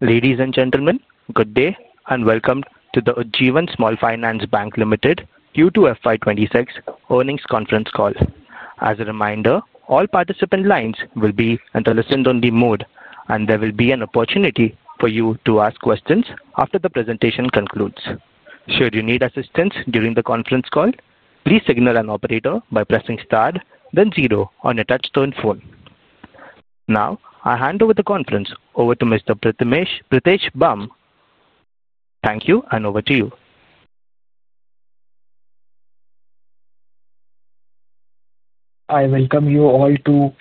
Ladies and gentlemen, good day and welcome to the Ujjivan Small Finance Bank Limited Q2 FY 2026 earnings conference call. As a reminder, all participant lines will be in telecenter mode, and there will be an opportunity for you to ask questions after the presentation concludes. Should you need assistance during the conference call, please signal an operator by pressing star, then zero on your touch-tone phone. Now, I hand over the conference to Mr. Pritesh Bumb. Thank you, and over to you. I welcome you all to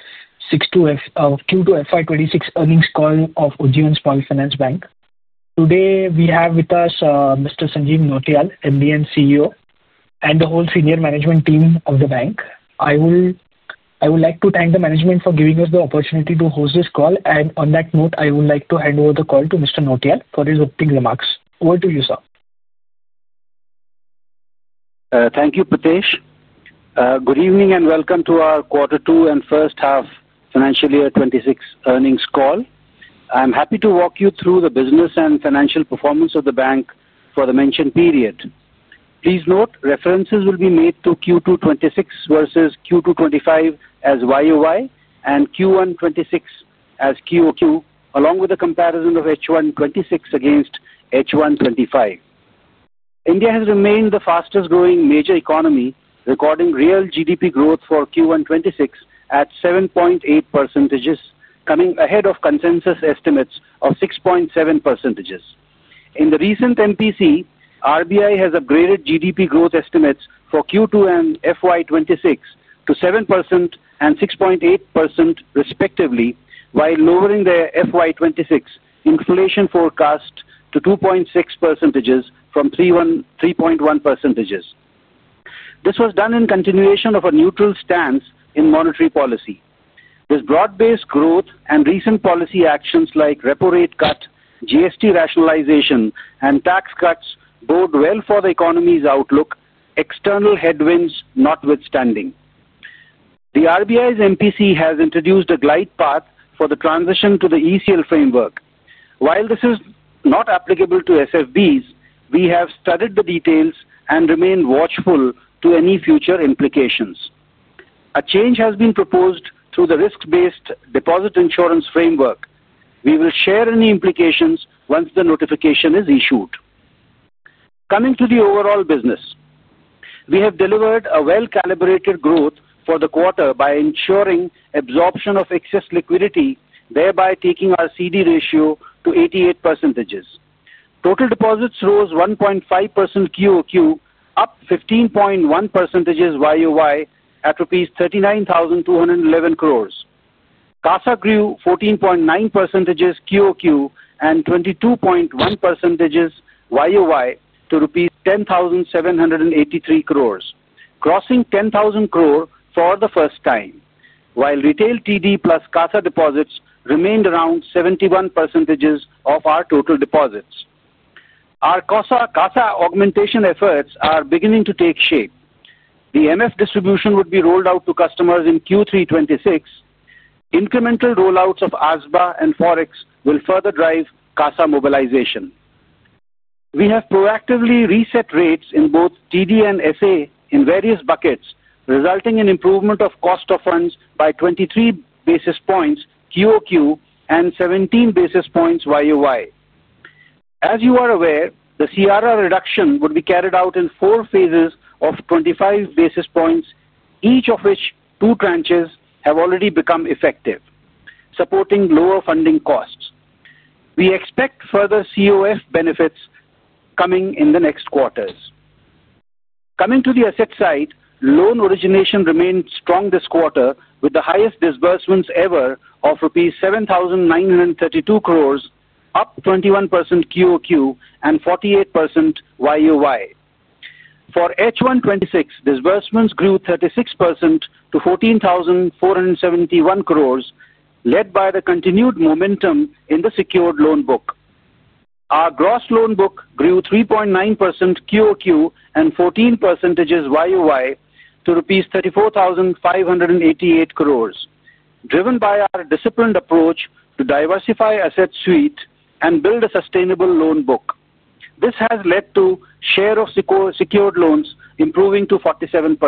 the Q2 FY 2026 earnings call of Ujjivan Small Finance Bank. Today, we have with us Mr. Sanjeev Nautiyal, MD and CEO, and the whole Senior Management team of the bank. I would like to thank the management for giving us the opportunity to host this call, and on that note, I would like to hand over the call to Mr. Nautiyal for his opening remarks. Over to you, sir. Thank you, Prithwesh. Good evening and welcome to our Quarter Two and First Half Financial Year 2026 earnings call. I am happy to walk you through the business and financial performance of the bank for the mentioned period. Please note references will be made to Q2 2026 versus Q2 2025 as YOY and Q1 2026 as QOQ, along with a comparison of H1 2026 against H1 2025. India has remained the fastest-growing major economy, recording real GDP growth for Q1 2026 at 7.8%, coming ahead of consensus estimates of 6.7%. In the recent MPC, RBI has upgraded GDP growth estimates for Q2 and FY 2026 to 7% and 6.8% respectively, while lowering the FY 2026 inflation forecast to 2.6% from 3.1%. This was done in continuation of a neutral stance in monetary policy. This broad-based growth and recent policy actions like repo rate cut, GST rationalization, and tax cuts bode well for the economy's outlook, external headwinds notwithstanding. The RBI's MPC has introduced a glide path for the transition to the ECL framework. While this is not applicable to SFBs, we have studied the details and remain watchful to any future implications. A change has been proposed through the risk-based deposit insurance framework. We will share any implications once the notification is issued. Coming to the overall business, we have delivered a well-calibrated growth for the quarter by ensuring absorption of excess liquidity, thereby taking our CD ratio to 88%. Total deposits rose 1.5% QOQ, up 15.1% YOY at rupees 39,211 crore. CASA grew 14.9% QOQ and 22.1% YOY to rupees 10,783 crore, crossing 10,000 crore for the first time, while retail TD plus CASA deposits remained around 71% of our total deposits. Our CASA augmentation efforts are beginning to take shape. The MF distribution will be rolled out to customers in Q3 2026. Incremental rollouts of ASBA and Forex will further drive CASA mobilization. We have proactively reset rates in both TD and SA in various buckets, resulting in improvement of cost of funds by 23 basis points QOQ and 17 basis points YOY. As you are aware, the CRR reduction will be carried out in four phases of 25 basis points, each of which two tranches have already become effective, supporting lower funding costs. We expect further COF benefits coming in the next quarters. Coming to the asset side, loan origination remained strong this quarter, with the highest disbursements ever of rupees 7,932 crore, up 21% QOQ and 48% YOY. For H1 2026, disbursements grew 36% to 14,471 crore, led by the continued momentum in the secured loan book. Our gross loan book grew 3.9% QOQ and 14% YOY to 34,588 crore, driven by our disciplined approach to diversify asset suite and build a sustainable loan book. This has led to shares of secured loans improving to 47%.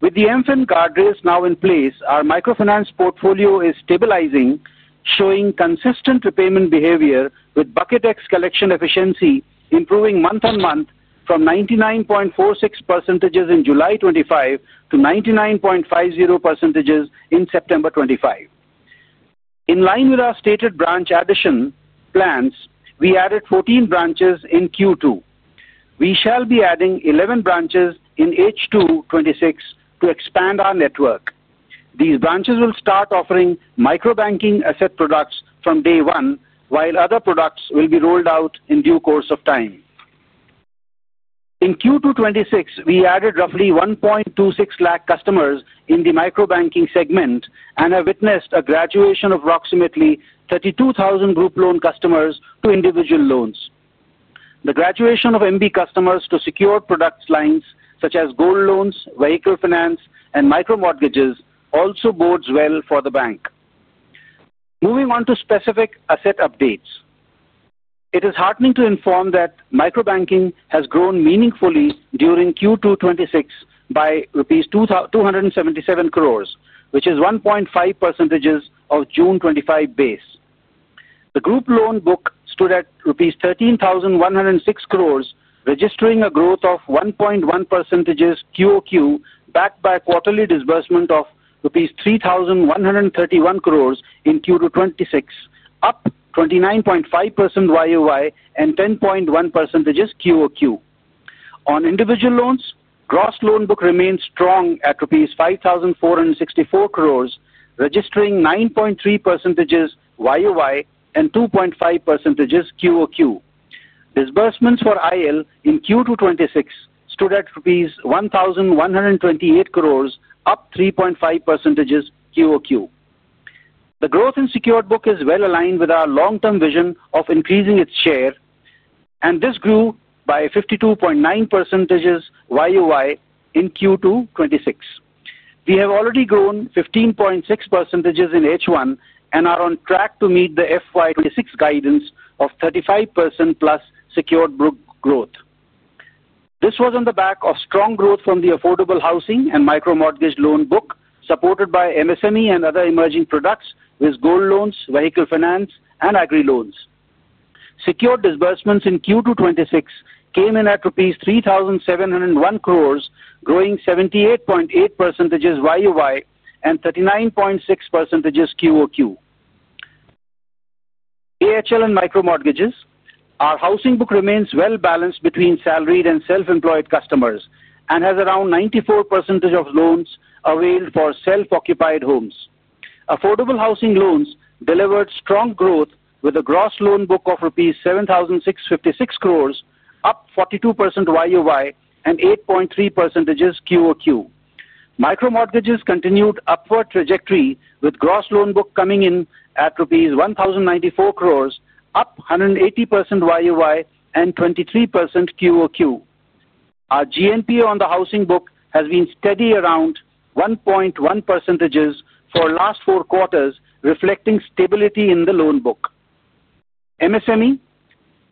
With the MFIN guardrails now in place, our microfinance portfolio is stabilizing, showing consistent repayment behavior with Bucket X collection efficiency improving month on month from 99.46% in July 2025 to 99.50% in September 2025. In line with our stated branch addition plans, we added 14 branches in Q2. We shall be adding 11 branches in H2 2026 to expand our network. These branches will start offering micro-banking asset products from day one, while other products will be rolled out in due course of time. In Q2 2026, we added roughly 1.26 lakh customers in the micro-banking segment and have witnessed a graduation of approximately 32,000 group loan customers to individual loans. The graduation of micro-banking customers to secured product lines such as gold loans, vehicle finance, and micro-mortgages also bodes well for the bank. Moving on to specific asset updates, it is heartening to inform that micro-banking has grown meaningfully during Q2 2026 by rupees 277 crore, which is 1.5% of June 2025 base. The group loan book stood at rupees 13,106 crore, registering a growth of 1.1% QOQ, backed by a quarterly disbursement of rupees 3,131 crore in Q2 2026, up 29.5% YOY and 10.1% QOQ. On individual loans, gross loan book remains strong at rupees 5,464 crore, registering 9.3% YOY and 2.5% QOQ. Disbursements for individual loans in Q2 2026 stood at rupees 1,128 crore, up 3.5% QOQ. The growth in secured book is well aligned with our long-term vision of increasing its share, and this grew by 52.9% YOY in Q2 2026. We have already grown 15.6% in H1 and are on track to meet the FY 2026 guidance of 35%+ secured book growth. This was on the back of strong growth from the affordable housing and micro-mortgage loan book, supported by MSME and other emerging products with gold loans, vehicle finance, and agri loans. Secured disbursements in Q2 2026 came in at rupees 3,701 crore, growing 78.8% YOY and 39.6% QOQ. Affordable housing loans and micro-mortgages, our housing book remains well balanced between salaried and self-employed customers and has around 94% of loans availed for self-occupied homes. Affordable housing loans delivered strong growth with a gross loan book of rupees 7,656 crore, up 42% YOY and 8.3% QOQ. Micro-mortgages continued upward trajectory, with gross loan book coming in at rupees 1,094 crore, up 180% YOY and 23% QOQ. Our GNP on the housing book has been steady around 1.1% for the last four quarters, reflecting stability in the loan book. MSME,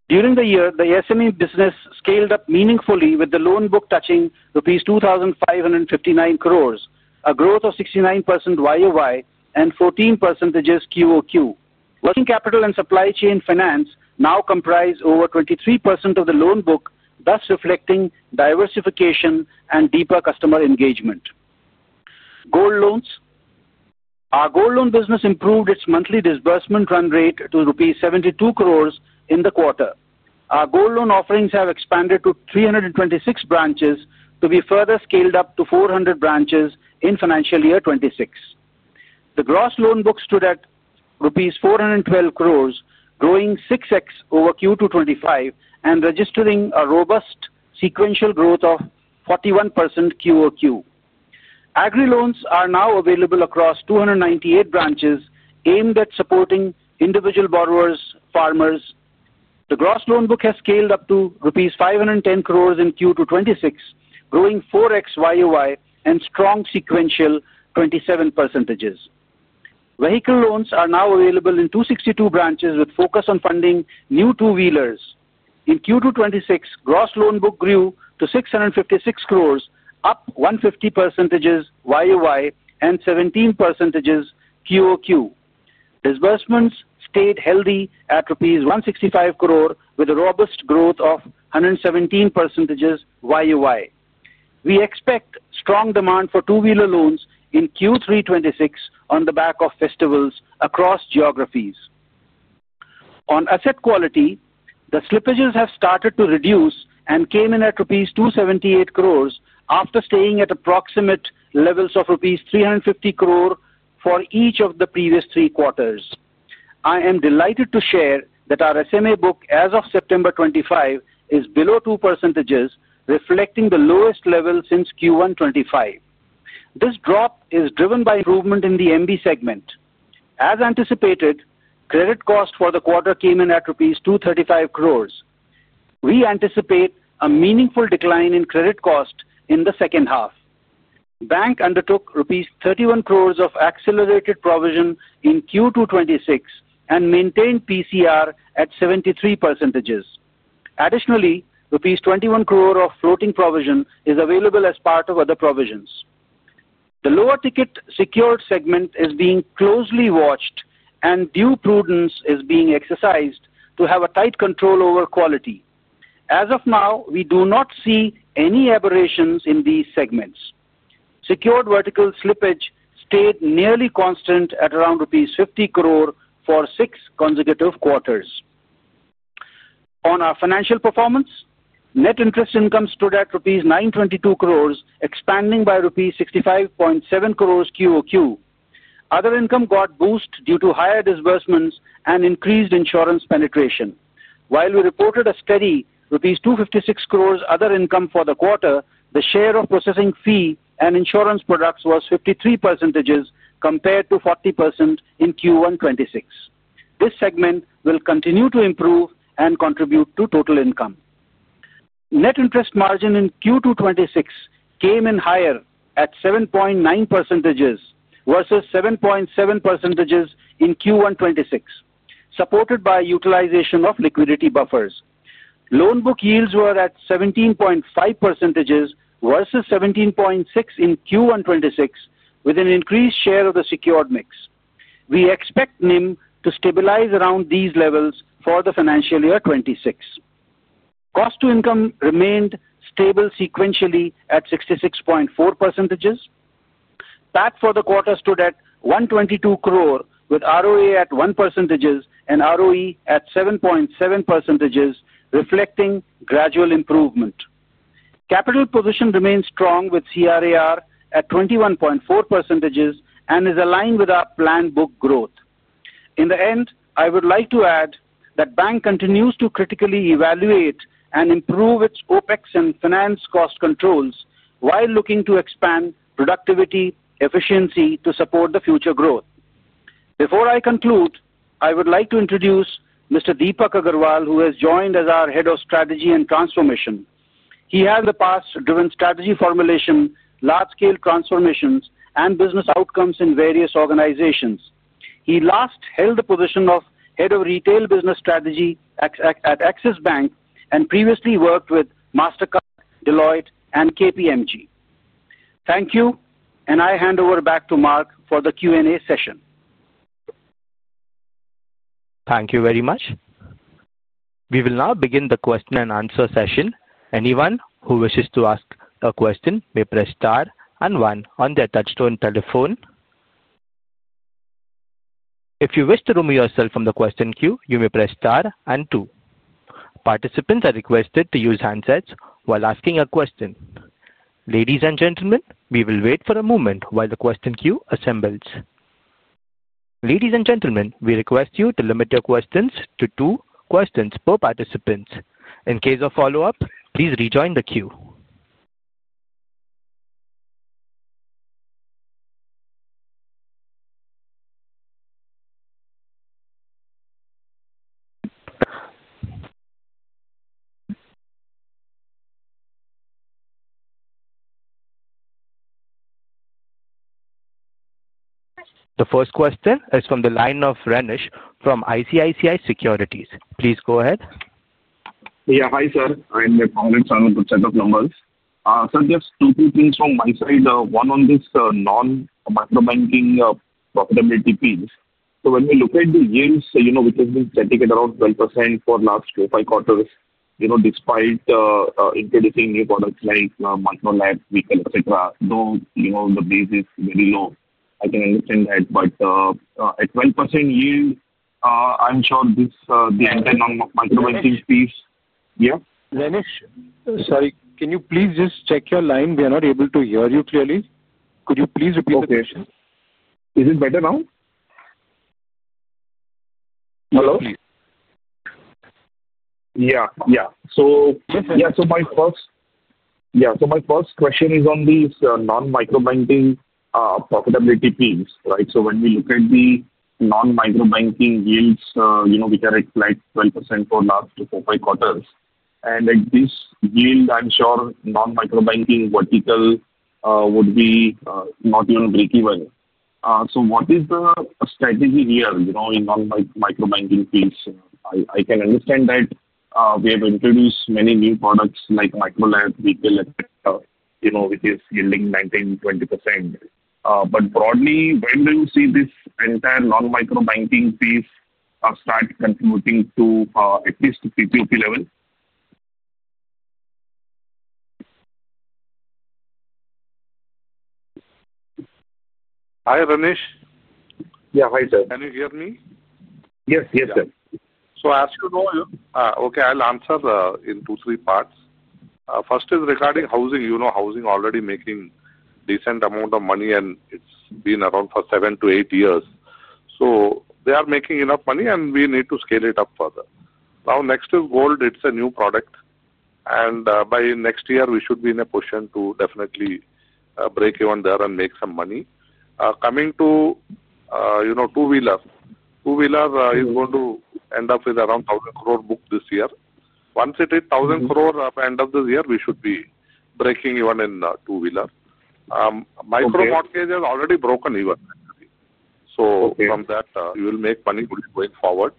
during the year, the SME business scaled up meaningfully, with the loan book touching rupees 2,559 crore, a growth of 69% YOY and 14% QOQ. Working capital and supply chain finance now comprise over 23% of the loan book, thus reflecting diversification and deeper customer engagement. Gold loans, our gold loan business improved its monthly disbursement run rate to rupees 72 crore in the quarter. Our gold loan offerings have expanded to 326 branches to be further scaled up to 400 branches in financial year 2026. The gross loan book stood at rupees 412 crore, growing 6X over Q2 2025 and registering a robust sequential growth of 41% QOQ. Agri loans are now available across 298 branches aimed at supporting individual borrowers, farmers. The gross loan book has scaled up to rupees 510 crore in Q2 2026, growing 4X YOY and strong sequential 27%. Vehicle loans are now available in 262 branches with focus on funding new two-wheelers. In Q2 2026, gross loan book grew to 656 crore, up 150% YOY and 17% QOQ. Disbursements stayed healthy at rupees 165 crore, with a robust growth of 117% YOY. We expect strong demand for two-wheeler loans in Q3 2026 on the back of festivals across geographies. On asset quality, the slippages have started to reduce and came in at rupees 278 crore after staying at approximate levels of rupees 350 crore for each of the previous three quarters. I am delighted to share that our SME book as of September 2025 is below 2%, reflecting the lowest level since Q1 2025. This drop is driven by improvement in the MB segment. As anticipated, credit cost for the quarter came in at rupees 235 crore. We anticipate a meaningful decline in credit cost in the second half. The bank undertook rupees 31 crore of accelerated provision in Q2 2026 and maintained PCR at 73%. Additionally, rupees 21 crore of floating provision is available as part of other provisions. The lower ticket secured segment is being closely watched, and due prudence is being exercised to have a tight control over quality. As of now, we do not see any aberrations in these segments. Secured vertical slippage stayed nearly constant at around rupees 50 crore for six consecutive quarters. On our financial performance, net interest income stood at rupees 922 crore, expanding by INR rupees 65.7 crores QOQ. Other income got boost due to higher disbursements and increased insurance penetration. While we reported a steady rupees 256 crores other income for the quarter, the share of processing fee and insurance products was 53% compared to 40% in Q1 2026. This segment will continue to improve and contribute to total income. Net interest margin in Q2 2026 came in higher at 7.9% versus 7.7% in Q1 2026, supported by utilization of liquidity buffers. Loan book yields were at 17.5% versus 17.6% in Q1 2026, with an increased share of the secured mix. We expect NIM to stabilize around these levels for the financial year 2026. Cost-to-income remained stable sequentially at 66.4%. PAT for the quarter stood at 122 crores with ROA at 1% and ROE at 7.7%, reflecting gradual improvement. Capital position remains strong with CRAR at 21.4% and is aligned with our planned book growth. In the end, I would like to add that the bank continues to critically evaluate and improve its OPEX and finance cost controls while looking to expand productivity efficiency to support the future growth. Before I conclude, I would like to introduce Mr. Deepak Khetan, who has joined as our Head of Strategy and Transformation. He has, in the past, driven strategy formulation, large-scale transformations, and business outcomes in various organizations. He last held the position of Head of Retail Business Strategy at Axis Bank and previously worked with Mastercard, Deloitte, and KPMG. Thank you, and I hand over back to Mark for the Q&A session. Thank you very much. We will now begin the question and answer session. Anyone who wishes to ask a question may press star and one on their touch-tone telephone. If you wish to remove yourself from the question queue, you may press star and two. Participants are requested to use handsets while asking a question. Ladies and gentlemen, we will wait for a moment while the question queue assembles. Ladies and gentlemen, we request you to limit your questions to two questions per participant. In case of follow-up, please rejoin the queue. The first question is from the line of Renish from ICICI Securities. Please go ahead. Yeah, hi, sir. I'm the founder and son of the setup numbers. Sir, just two things from my side. One on this non-micro-banking profitability piece. When we look at the yields, which has been static at around 12% for the last four or five quarters, despite introducing new products like micro-mortgage, vehicle finance, etc., though the base is very low, I can understand that. At 12% yield, I'm sure this is the entire non-micro-banking piece. Yeah? Renish, sorry, can you please just check your line? We are not able to hear you clearly. Could you please repeat the question? Okay, is it better now? Hello? Yeah, yeah. My first question is on these non-micro-banking profitability piece, right? When we look at the non-micro-banking yields, you know, which are at like 12% for the last four or five quarters, and at this yield, I'm sure non-micro-banking vertical would be not even breaking even. What is the strategy here, you know, in the non-micro-banking piece? I can understand that we have introduced many new products like micro-mortgage, vehicle finance, etc., you know, which is yielding 19%-20%. Broadly, when do you see this entire non-micro-banking piece start contributing to at least the PPOP level? Hi, Renish. Yeah, hi, sir. Can you hear me? Yes, yes, sir. As you know, I'll answer in two, three parts. First is regarding housing. Housing is already making a decent amount of money, and it's been around for 7-8 years. They are making enough money, and we need to scale it up further. Next is gold. It's a new product, and by next year, we should be in a position to definitely break even there and make some money. Coming to two-wheelers, two-wheelers are going to end up with around 1,000 crore book this year. Once it hits 1,000 crore at the end of this year, we should be breaking even in two-wheelers. Micro-mortgage has already broken even, so from that, we will make money going forward.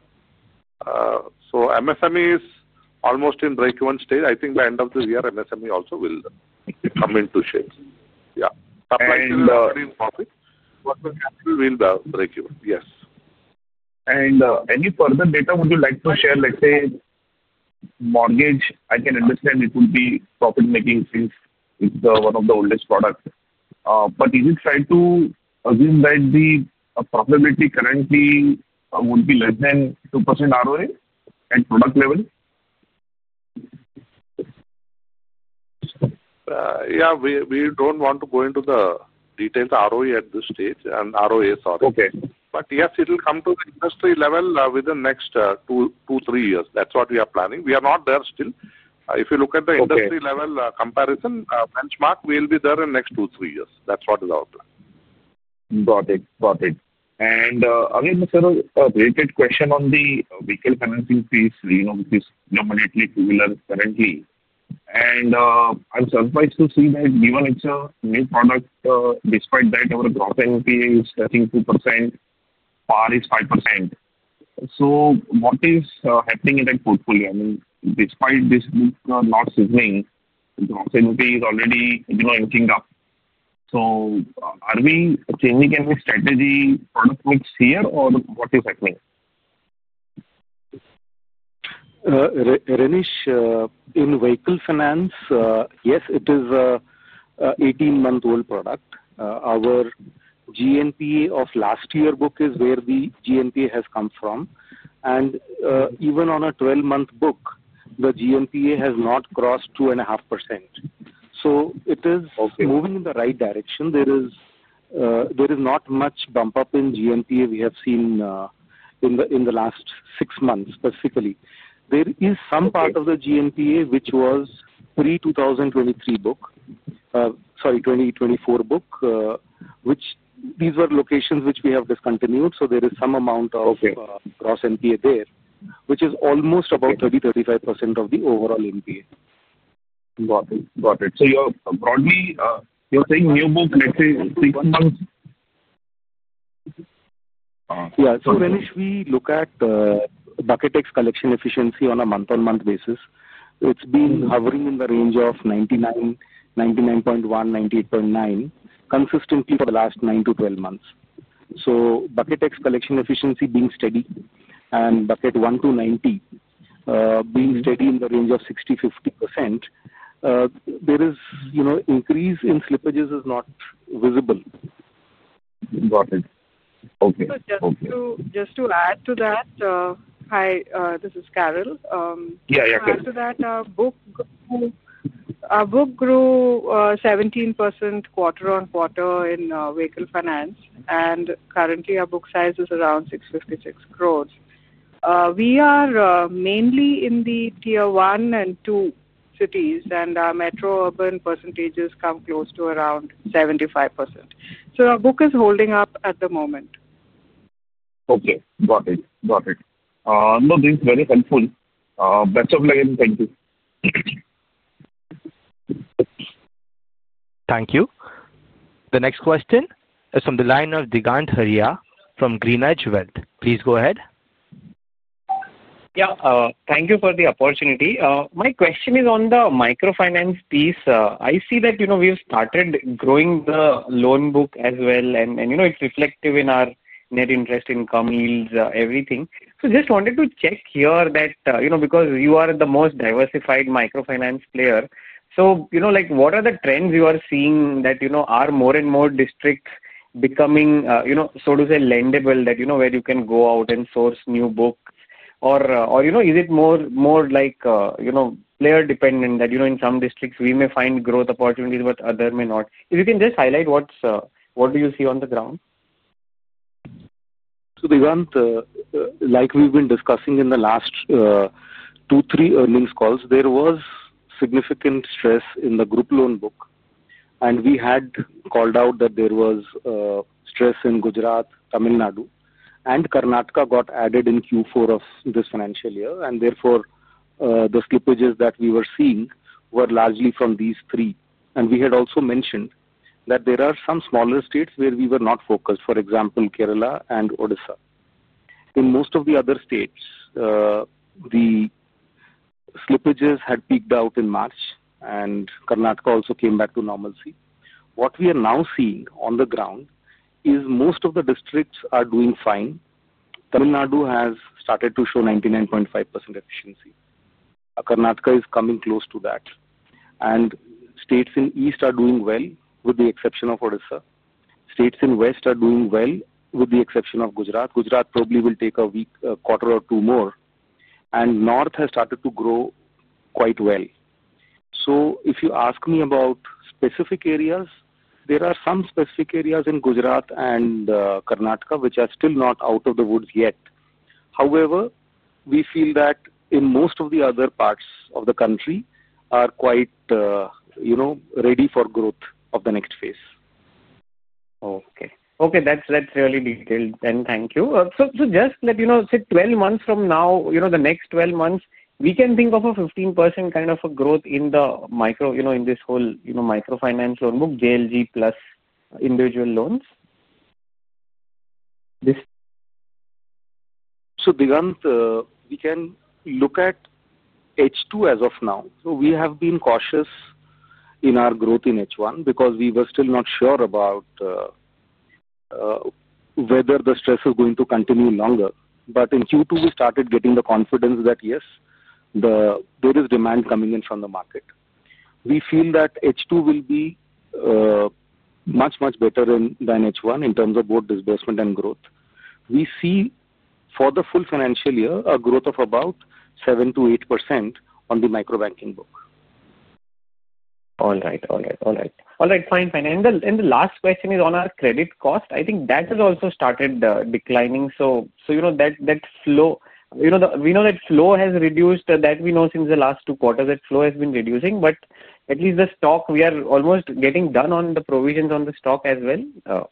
MSME is almost in break-even state. I think by the end of this year, MSME also will come into shape. I think. Their profit will be break-even, yes. Would you like to share any further data? Let's say mortgage, I can understand it would be profit-making since it's one of the oldest products. Is it right to assume that the profitability currently would be less than 2% ROA at product level? Yeah, we don't want to go into the details of ROA at this stage, ROA, sorry. Okay. Yes, it will come to the industry level within the next 2-3 years. That's what we are planning. We are not there still. If you look at the industry level comparison benchmark, we will be there in the next 2-3 years. That's what is our plan. Got it, got it. A related question on the vehicle finance piece, you know, which is dominantly two-wheeler currently. I'm surprised to see that given it's a new product, despite that our gross NP is starting 2%, PAR is 5%. What is happening in that portfolio? I mean, despite this book not seasoning, the gross NP is already, you know, inking up. Are we changing any strategy product mix here, or what is happening? Ramesh, in vehicle finance, yes, it is an 18-month-old product. Our GNP of last year book is where the GNP has come from. Even on a 12-month book, the GNP has not crossed 2.5%. It is moving in the right direction. There is not much bump up in GNP we have seen in the last six months specifically. There is some part of the GNP which was pre-2023 book, sorry, 2024 book, which these were locations which we have discontinued. There is some amount of gross NP there, which is almost about 30-35% of the overall NP. Got it, got it. You're broadly, you're saying new book, let's say six months. Yeah. Ramesh, we look at Bucket X collection efficiency on a month-on-month basis. It's been hovering in the range of 99%, 99.1%, 98.9% consistently for the last 9-12 months. Bucket X collection efficiency being steady and Bucket 1-90 being steady in the range of 60%, 50%, there is, you know, increase in slippages is not visible. Got it. Okay. Just to add to that, hi, this is Carol. Yeah, yeah, Carol. To that, our book grew 17% quarter-on-quarter in vehicle finance. Currently, our book size is around 656 crore. We are mainly in the tier one and two cities, and our metro urban percentages come close to around 75%. Our book is holding up at the moment. Okay. Got it. Got it. No, this is very helpful. Better planning. Thank you. Thank you. The next question is from the line of Digant Haria from Greenedge Wealth. Please go ahead. Thank you for the opportunity. My question is on the microfinance piece. I see that we have started growing the loan book as well, and it's reflective in our net interest income, yields, everything. I just wanted to check here that, because you are the most diversified microfinance player, what are the trends you are seeing? Are more and more districts becoming, so to say, lendable, where you can go out and source new books? Is it more like player-dependent, that in some districts we may find growth opportunities, but others may not? If you can just highlight what you see on the ground? Like we've been discussing in the last two, three earnings calls, there was significant stress in the group loan book. We had called out that there was stress in Gujarat, Tamil Nadu, and Karnataka got added in Q4 of this financial year. Therefore, the slippages that we were seeing were largely from these three. We had also mentioned that there are some smaller states where we were not focused, for example, Kerala and Odisha. In most of the other states, the slippages had peaked out in March, and Karnataka also came back to normalcy. What we are now seeing on the ground is most of the districts are doing fine. Tamil Nadu has started to show 99.5% efficiency. Karnataka is coming close to that. States in the east are doing well, with the exception of Odisha. States in the west are doing well, with the exception of Gujarat. Gujarat probably will take a quarter or two more. The north has started to grow quite well. If you ask me about specific areas, there are some specific areas in Gujarat and Karnataka which are still not out of the woods yet. However, we feel that in most of the other parts of the country are quite, you know, ready for growth of the next phase. Okay. Okay. That's really detailed then. Thank you. Just that, you know, say 12 months from now, you know, the next 12 months, we can think of a 15% kind of a growth in the micro, you know, in this whole, you know, microfinance loan book, JLG plus individual loans. Digant, we can look at H2 as of now. We have been cautious in our growth in H1 because we were still not sure about whether the stress is going to continue longer. In Q2, we started getting the confidence that, yes, there is demand coming in from the market. We feel that H2 will be much, much better than H1 in terms of both disbursement and growth. We see for the full financial year a growth of about 7%-8% on the micro-banking book. All right. Fine, fine. The last question is on our credit cost. I think that has also started declining. That flow, we know that flow has reduced, that we know since the last two quarters that flow has been reducing. At least the stock, we are almost getting done on the provisions on the stock as well.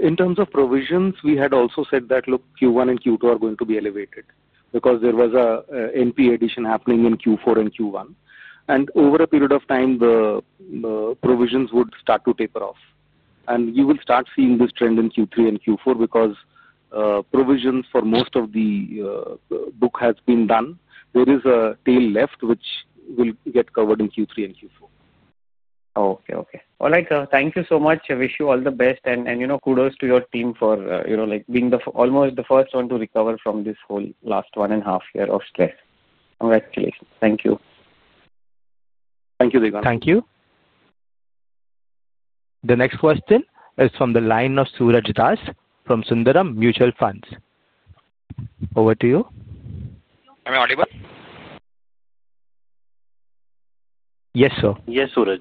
In terms of provisions, we had also said that, look, Q1 and Q2 are going to be elevated because there was an NP addition happening in Q4 and Q1. Over a period of time, the provisions would start to taper off. You will start seeing this trend in Q3 and Q4 because provisions for most of the book have been done. There is a tail left which will get covered in Q3 and Q4. Okay. All right. Thank you so much. I wish you all the best. Kudos to your team for being almost the first one to recover from this whole last 1.5 year of stress. Congratulations. Thank you. Thank you, Digant. Thank you. The next question is from the line of Suraj Das from Sundaram Mutual Funds. Over to you. Am I audible? Yes, sir. Yes, Suraj.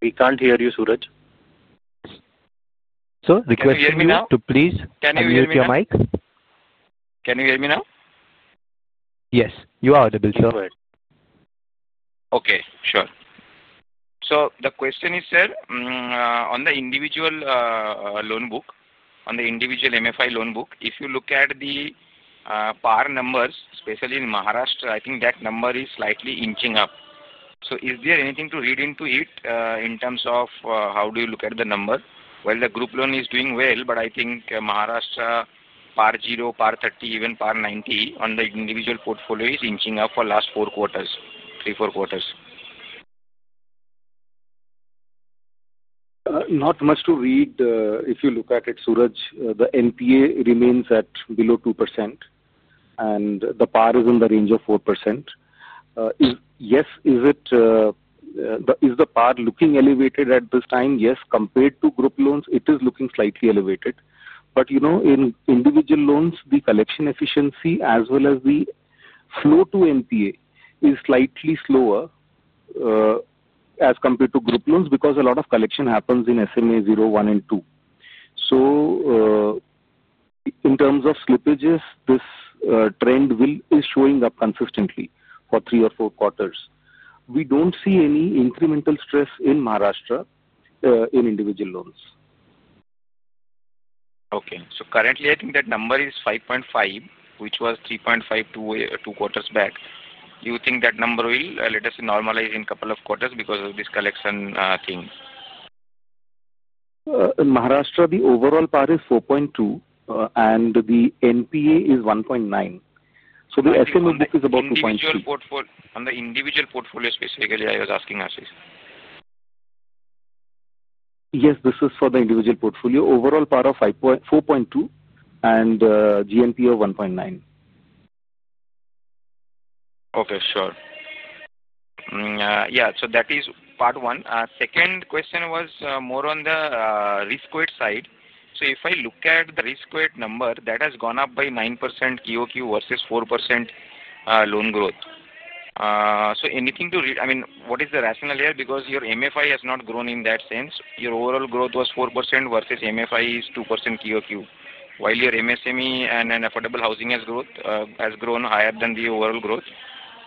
We can't hear you, Suraj. We request you to please unmute your mic. Can you hear me now? Yes, you are audible, sir. Perfect. Okay. Sure. The question is, sir, on the individual loan book, on the individual MFI loan book, if you look at the PAR numbers, especially in Maharashtra, I think that number is slightly inching up. Is there anything to read into it in terms of how do you look at the number? The group loan is doing well, but I think Maharashtra PAR 0, PAR 30, even PAR 90 on the individual portfolio is inching up for the last four quarters, three, four quarters. Not much to read. If you look at it, Suraj, the NPA remains at below 2%. The PAR is in the range of 4%. Yes, is the PAR looking elevated at this time? Yes, compared to group loans, it is looking slightly elevated. In individual loans, the collection efficiency as well as the flow to NPA is slightly slower as compared to group loans because a lot of collection happens in SME 0, 1, and 2. In terms of slippages, this trend is showing up consistently for three or four quarters. We don't see any incremental stress in Maharashtra in individual loans. Okay. Currently, I think that number is 5.5, which was 3.5 two quarters back. Do you think that number will, let us say, normalize in a couple of quarters because of this collection thing? In Maharashtra, the overall PAR is 4.2%, and the NPA is 1.9%. The SME book is about 2.2%. On the individual portfolio specifically, I was asking assays. Yes, this is for the individual portfolio. Overall PAR of 4.2% and GNP of 1.9%. Okay. Sure. That is part one. Second question was more on the risk weight side. If I look at the risk weight number, that has gone up by 9% QOQ versus 4% loan growth. Is there anything to read? What is the rationale here? Your microfinance portfolio has not grown in that sense. Your overall growth was 4% versus microfinance portfolio is 2% QOQ. While your MSME loan and affordable housing has grown higher than the overall growth,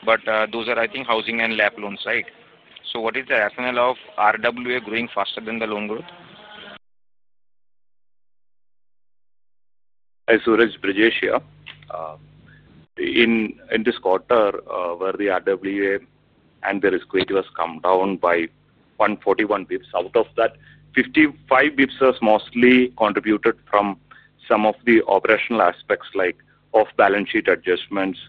those are, I think, housing and loan against property loans, right? What is the rationale of RWA growing faster than the loan growth? Hi, Suraj. Brijesh here. In this quarter, where the RWA and the risk weight has come down by 141 basis points. Out of that, 55 basis points was mostly contributed from some of the operational aspects like off-balance sheet adjustments,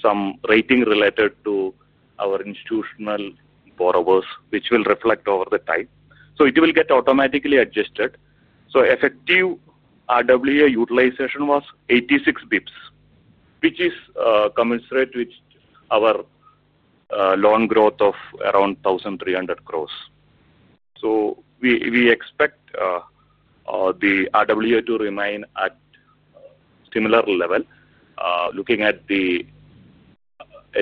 some rating related to our institutional borrowers, which will reflect over the time. It will get automatically adjusted. Effective RWA utilization was 86 basis points, which is commensurate with our loan growth of around 1,300 crore. We expect the RWA to remain at a similar level, looking at the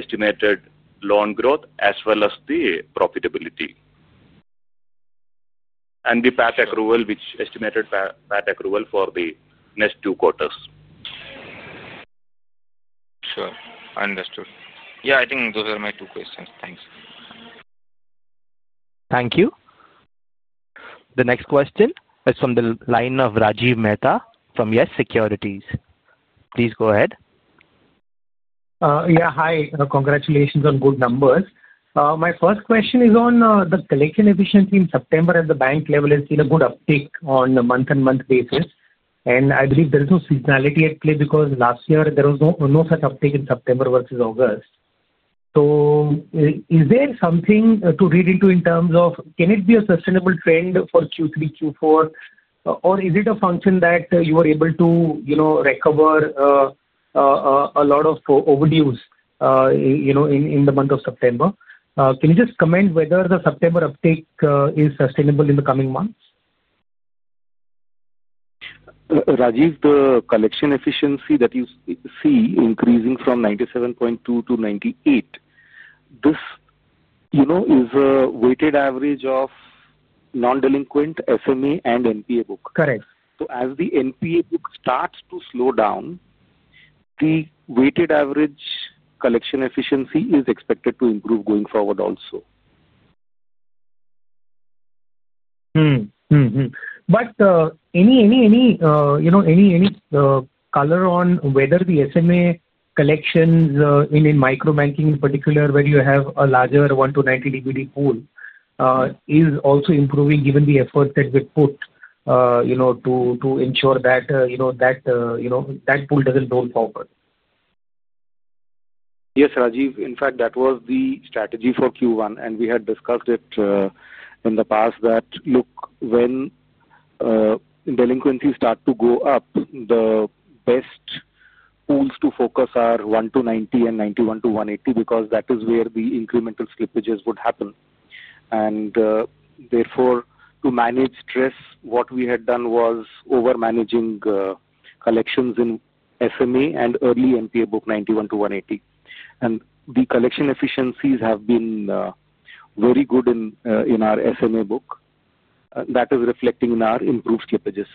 estimated loan growth as well as the profitability and the PAT accrual, which is estimated PAT accrual for the next two quarters. Sure. Understood. Yeah, I think those are my two questions. Thanks. Thank you. The next question is from the line of Rajiv Mehta from Yes Securities. Please go ahead. Yeah, hi. Congratulations on good numbers. My first question is on the collection efficiency in September at the bank level. It's been a good uptick on a month-on-month basis. I believe there is no seasonality at play because last year there was no such uptick in September versus August. Is there something to read into in terms of can it be a sustainable trend for Q3, Q4? Is it a function that you were able to recover a lot of overdues in the month of September? Can you just comment whether the September uptick is sustainable in the coming months? Rajiv, the collection efficiency that you see increasing from 97.2%-98%, this is a weighted average of non-delinquent SME and NPA book. Correct. As the NPA book starts to slow down, the weighted average collection efficiency is expected to improve going forward also. Is there any color on whether the SME collections in micro-banking in particular, where you have a larger 1-90 DPD pool, is also improving given the effort that we put to ensure that pool doesn't flow forward? Yes, Rajiv. In fact, that was the strategy for Q1. We had discussed it in the past that, look, when delinquencies start to go up, the best pools to focus are 1-90 and 91-180 because that is where the incremental slippages would happen. Therefore, to manage stress, what we had done was over-managing collections in SME and early NPA book 91-180. The collection efficiencies have been very good in our SME book. That is reflecting in our improved slippages.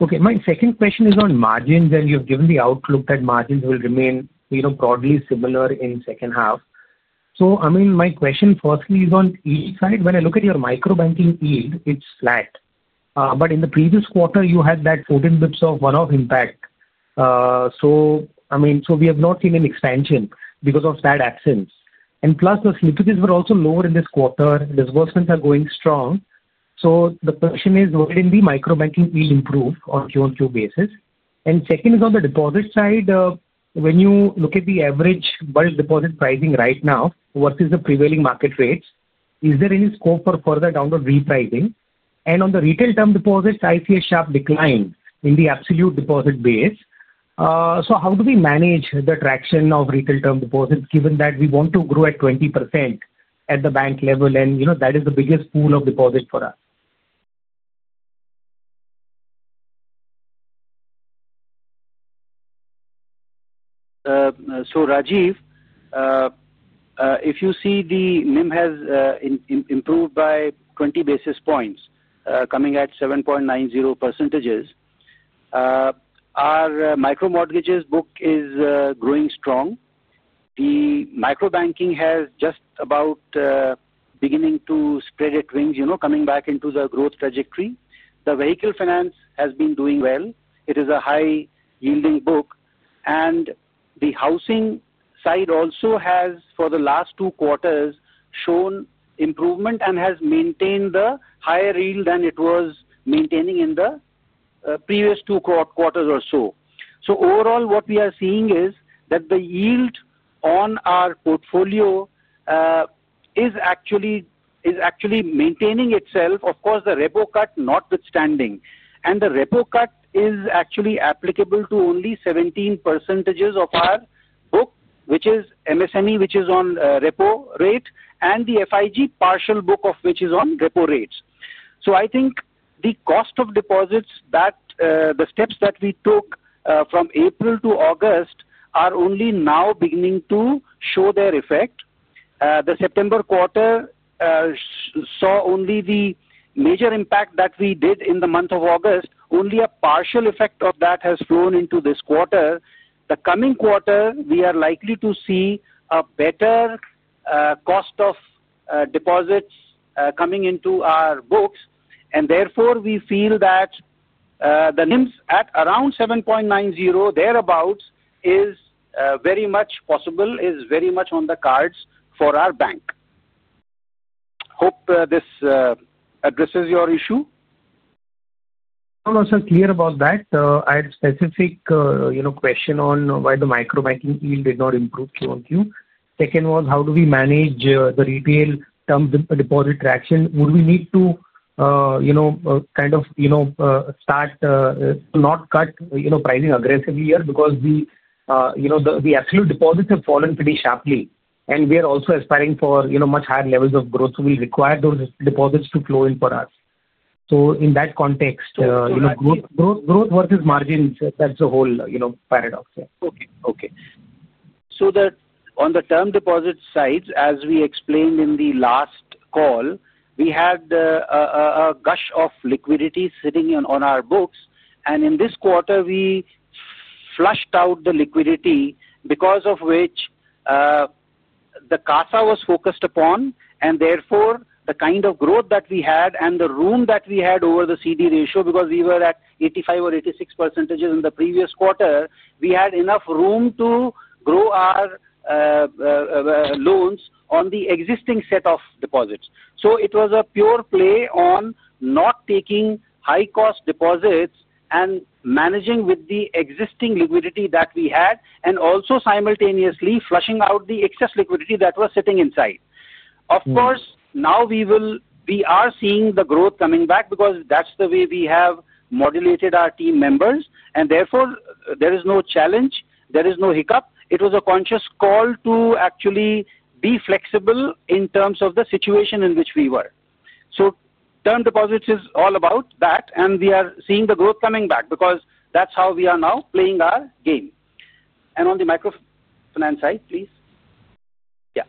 Okay. My second question is on margins. You've given the outlook that margins will remain broadly similar in the second half. My question firstly is on each side. When I look at your micro-banking yield, it's flat. In the previous quarter, you had that 14 basis points of one-off impact. We have not seen an expansion because of that absence. Plus, the slippages were also lower in this quarter. Disbursements are going strong. The question is, where did the micro-banking yield improve on a Q1Q basis? Second is on the deposit side. When you look at the average bulk deposit pricing right now versus the prevailing market rates, is there any scope for further downward repricing? On the retail term deposits, I see a sharp decline in the absolute deposit base. How do we manage the traction of retail term deposits given that we want to grow at 20% at the bank level? That is the biggest pool of deposits for us. Rajiv, if you see, the NIM has improved by 20 basis points, coming at 7.90%. Our micro-mortgages book is growing strong. The micro-banking has just about beginning to spread its wings, you know, coming back into the growth trajectory. The vehicle finance has been doing well. It is a high-yielding book. The housing side also has, for the last two quarters, shown improvement and has maintained the higher yield than it was maintaining in the previous two quarters or so. Overall, what we are seeing is that the yield on our portfolio is actually maintaining itself. Of course, the repo cut notwithstanding. The repo cut is actually applicable to only 17% of our book, which is MSME, which is on repo rate, and the FIG partial book of which is on repo rates. I think the cost of deposits that the steps that we took from April to August are only now beginning to show their effect. The September quarter saw only the major impact that we did in the month of August. Only a partial effect of that has flown into this quarter. The coming quarter, we are likely to see a better cost of deposits coming into our books. Therefore, we feel that the NIMs at around 7.90% thereabouts is very much possible, is very much on the cards for our bank. Hope this addresses your issue. Hello, sir. Clear about that. I had a specific question on why the micro-banking yield did not improve Q1Q. Second was, how do we manage the retail term deposit traction? Would we need to start to not cut pricing aggressively here because the absolute deposits have fallen pretty sharply. We are also aspiring for much higher levels of growth. We'll require those deposits to flow in for us. In that context, growth versus margins, that's the whole paradox here. Okay. On the term deposit side, as we explained in the last call, we had a gush of liquidity sitting on our books. In this quarter, we flushed out the liquidity because of which the CASA was focused upon. Therefore, the kind of growth that we had and the room that we had over the CD ratio, because we were at 85% or 86% in the previous quarter, we had enough room to grow our loans on the existing set of deposits. It was a pure play on not taking high-cost deposits and managing with the existing liquidity that we had, and also simultaneously flushing out the excess liquidity that was sitting inside. Of course, now we will be seeing the growth coming back because that's the way we have modulated our team members. Therefore, there is no challenge. There is no hiccup. It was a conscious call to actually be flexible in terms of the situation in which we were. Term deposits is all about that. We are seeing the growth coming back because that's how we are now playing our game. On the microfinance side, please. Yeah.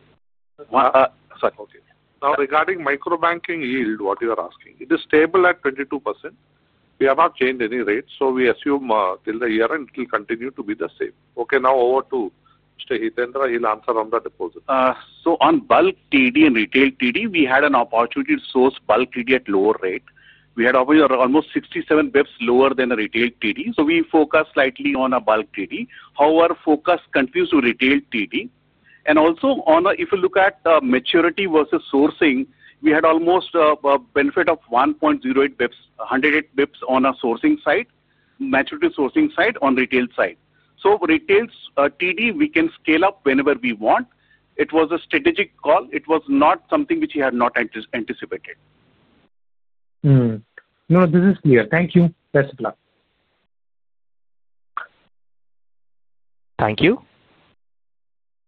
Sorry. Okay. Now, regarding micro-banking yield, what you are asking, it is stable at 22%. We have not changed any rates. We assume till the year-end, it will continue to be the same. Okay. Now, over to Mr. Hitendra. He'll answer on the deposit. On bulk TD and retail TD, we had an opportunity to source bulk TD at a lower rate. We had almost 67 basis points lower than a retail TD. We focused slightly on a bulk TD. However, our focus continues to be retail TD. Also, if you look at maturity versus sourcing, we had almost a benefit of 108 basis points on the sourcing side, maturity sourcing side on the retail side. Retail TD, we can scale up whenever we want. It was a strategic call. It was not something which we had not anticipated. No, this is clear. Thank you. That's a plus. Thank you.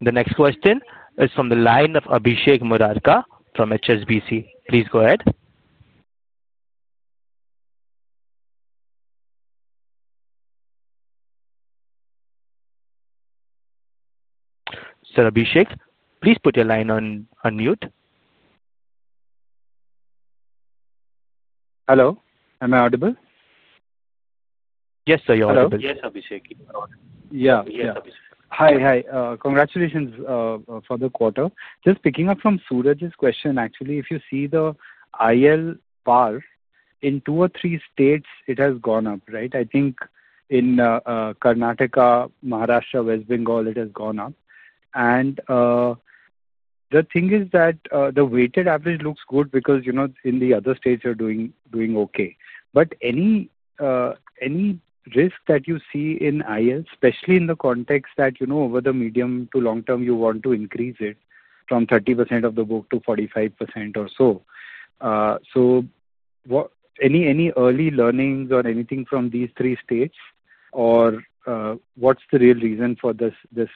The next question is from the line of Abhishek Murarka from HSBC. Please go ahead. Sir, Abhishek, please put your line on mute. Hello, am I audible? Yes, sir. You're audible. Yes, Abhishek. Hi, hi. Congratulations for the quarter. Just picking up from Suraj's question, actually, if you see the IL PAR, in two or three states, it has gone up, right? I think in Karnataka, Maharashtra, West Bengal, it has gone up. The thing is that the weighted average looks good because, you know, in the other states, you're doing okay. Any risk that you see in IL, especially in the context that, you know, over the medium to long term, you want to increase it from 30% of the book to 45% or so? Any early learnings or anything from these three states? What's the real reason for this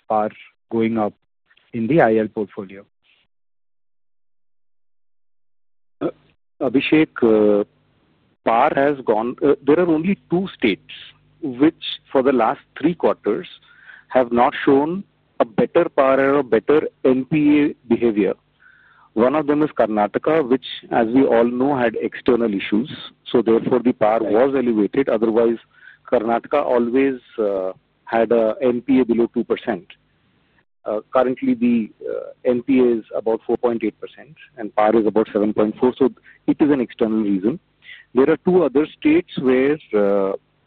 PAR going up in the IL portfolio? Abhishek, PAR has gone. There are only two states which, for the last three quarters, have not shown a better PAR or a better NPA behavior. One of them is Karnataka, which, as we all know, had external issues. Therefore, the PAR was elevated. Otherwise, Karnataka always had an NPA below 2%. Currently, the NPA is about 4.8% and PAR is about 7.4%. It is an external reason. There are two other states where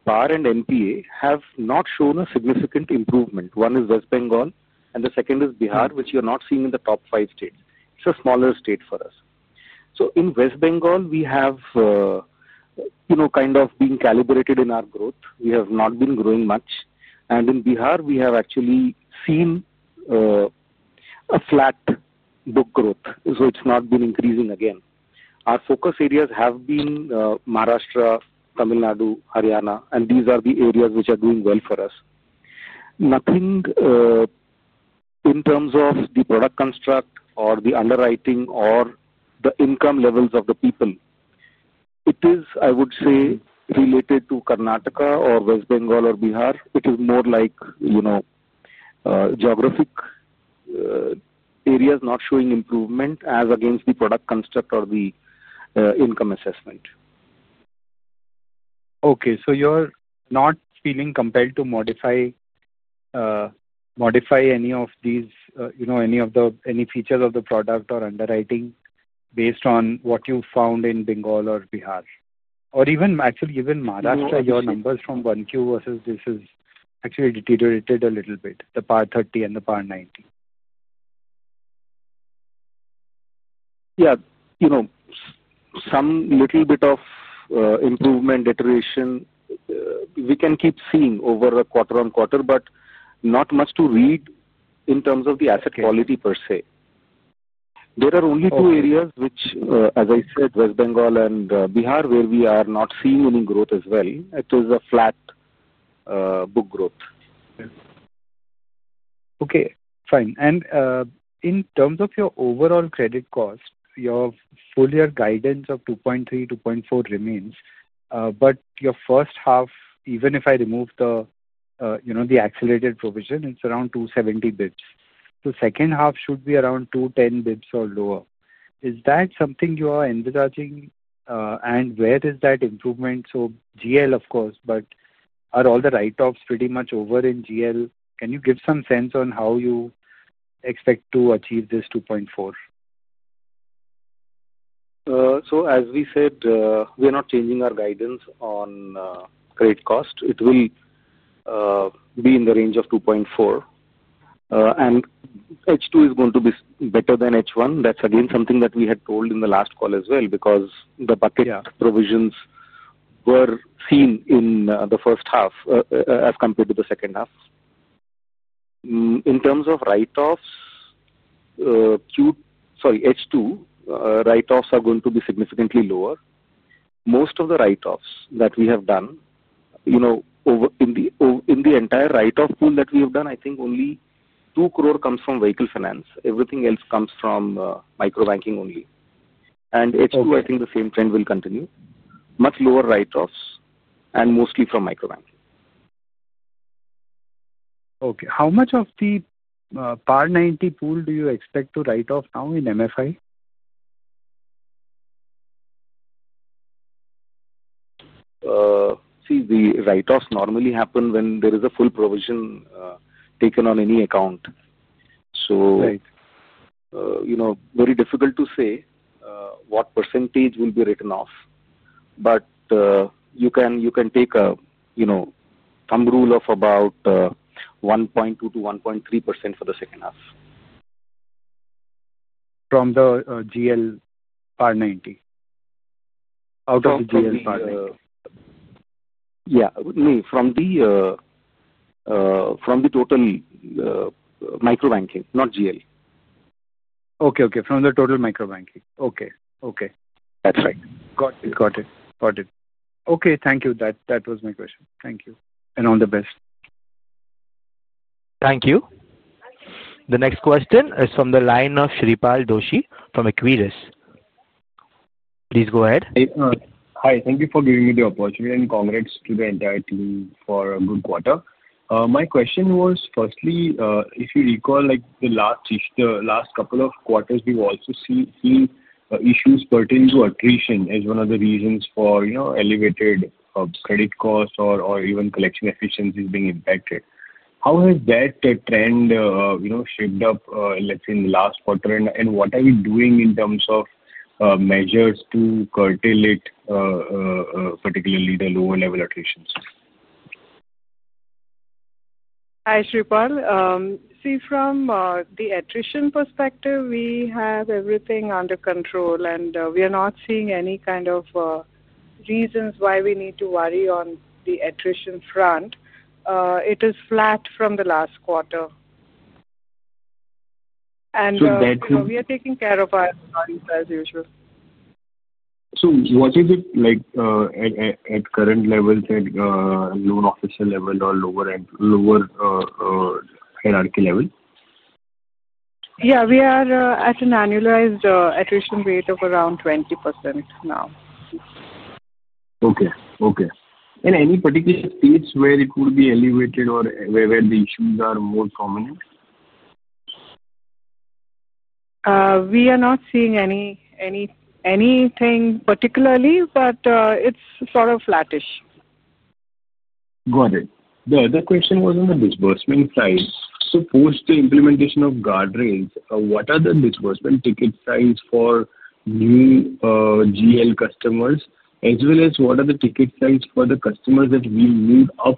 PAR and NPA have not shown a significant improvement. One is West Bengal and the second is Bihar, which you are not seeing in the top five states. It's a smaller state for us. In West Bengal, we have, you know, kind of been calibrated in our growth. We have not been growing much. In Bihar, we have actually seen a flat book growth. It's not been increasing again. Our focus areas have been Maharashtra, Tamil Nadu, Haryana, and these are the areas which are doing well for us. Nothing in terms of the product construct or the underwriting or the income levels of the people. I would say, related to Karnataka or West Bengal or Bihar, it is more like geographic areas not showing improvement as against the product construct or the income assessment. Okay. You're not feeling compelled to modify any of these, you know, any of the features of the product or underwriting based on what you found in West Bengal or Bihar? Or even actually, even Maharashtra, your numbers from 1Q versus this has actually deteriorated a little bit, the PAR 30 and the PAR 90. Yeah. You know, some little bit of improvement, iteration, we can keep seeing over the quarter on quarter, but not much to read in terms of the asset quality per se. There are only two areas which, as I said, West Bengal and Bihar, where we are not seeing any growth as well. It is a flat book growth. Okay. Fine. In terms of your overall credit cost, your full-year guidance of 2.3%-2.4% remains. Your first half, even if I remove the, you know, the accelerated provision, it's around 270 basis points. The second half should be around 210 basis points or lower. Is that something you are envisaging? Where is that improvement? GL, of course, but are all the write-offs pretty much over in GL? Can you give some sense on how you expect to achieve this 2.4%? As we said, we are not changing our guidance on credit cost. It will be in the range of 2.4%. H2 is going to be better than H1. That's, again, something that we had told in the last call as well because the bucket provisions were seen in the first half as compared to the second half. In terms of write-offs, H2 write-offs are going to be significantly lower. Most of the write-offs that we have done over the entire write-off pool that we have done, I think only 2 crore comes from vehicle finance. Everything else comes from micro-banking only. H2, I think the same trend will continue with much lower write-offs and mostly from micro-banking. Okay. How much of the PAR 90 pool do you expect to write off now in MFI? The write-offs normally happen when there is a full provision taken on any account. It's very difficult to say what % will be written off. You can take a thumb rule of about 1.2%-1.3% for the second half. From the gross loan book PAR 90, out of the gross loan book PAR 90. Yeah. No, from the total micro-banking, not group loan. Okay. From the total micro-banking. Okay. That's right. Got it. Okay. Thank you. That was my question. Thank you and all the best. Thank you. The next question is from the line of Shreepal Doshi from Equirus. Please go ahead. Hi. Thank you for giving me the opportunity and congrats to the entire team for a good quarter. My question was, firstly, if you recall, like the last couple of quarters, we've also seen issues pertaining to attrition as one of the reasons for elevated credit costs or even collection efficiencies being impacted. How has that trend shaped up, let's say, in the last quarter? What are we doing in terms of measures to curtail it, particularly the lower-level attritions? Hi, Shreepal. See, from the attrition perspective, we have everything under control. We are not seeing any kind of reasons why we need to worry on the attrition front. It is flat from the last quarter, and we are taking care of our loans as usual. What is it like at current levels, at loan officer level or lower hierarchy level? Yeah, we are at an annualized attrition rate of around 20% now. Okay. Okay. In any particular states where it would be elevated or where the issues are more prominent? We are not seeing anything particularly, it's sort of flattish. Got it. The other question was on the disbursement side. Post the implementation of guard rails, what are the disbursement ticket sizes for new group loan customers as well as what are the ticket sizes for the customers that we move up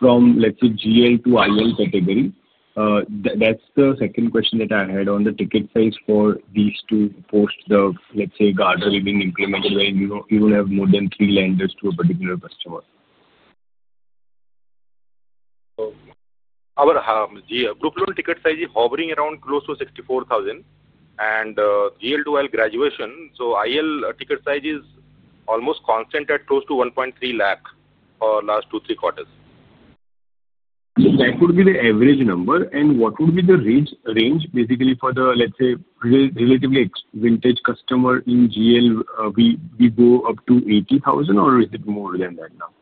from, let's say, group loan to individual loan category? That's the second question that I had on the ticket size for these two post the, let's say, guard rail being implemented when you don't have more than three lenders to a particular customer. Okay. Our group loan ticket size is hovering around close to 64,000. GL to IL graduation. IL ticket size is almost constant at close to 1.3 lakh for the last two, three quarters. That would be the average number. What would be the range, basically, for the, let's say, relatively vintage customer in group loan? We go up to 80,000 or is it more than that now?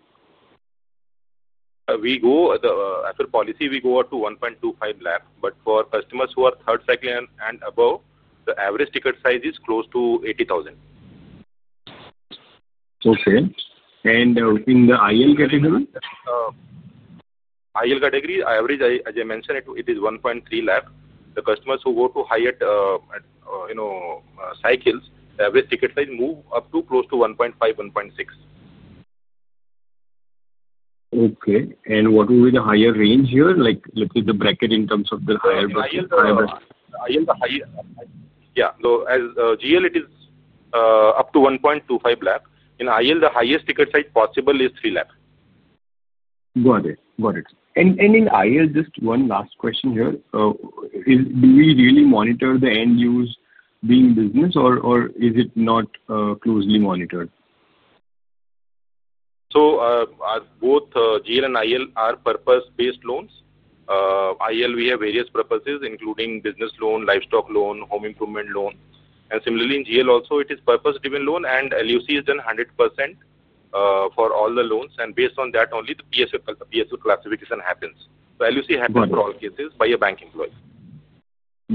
As per policy, we go up to 1.25 lakh. For customers who are third cycle and above, the average ticket size is close to 80,000. Okay. In the IL category? IL category, average, as I mentioned, it is 1.3 lakh. The customers who go to higher cycles, the average ticket size moves up to close to 1.5, 1.6 lakh. Okay. What would be the higher range here? Let's say, the bracket in terms of the higher versus higher? Yeah. As group loan, it is up to 1.25 lakh. In individual loan, the highest ticket size possible is 3 lakh. Got it. In individual loans, just one last question here. Do we really monitor the end-use being business or is it not closely monitored? Both GL and IL are purpose-based loans. IL, we have various purposes, including business loan, livestock loan, home improvement loan. Similarly, in GL also, it is purpose-driven loan. LUC is done 100% for all the loans, and based on that only, the PSU classification happens. LUC happens for all cases by a bank employee.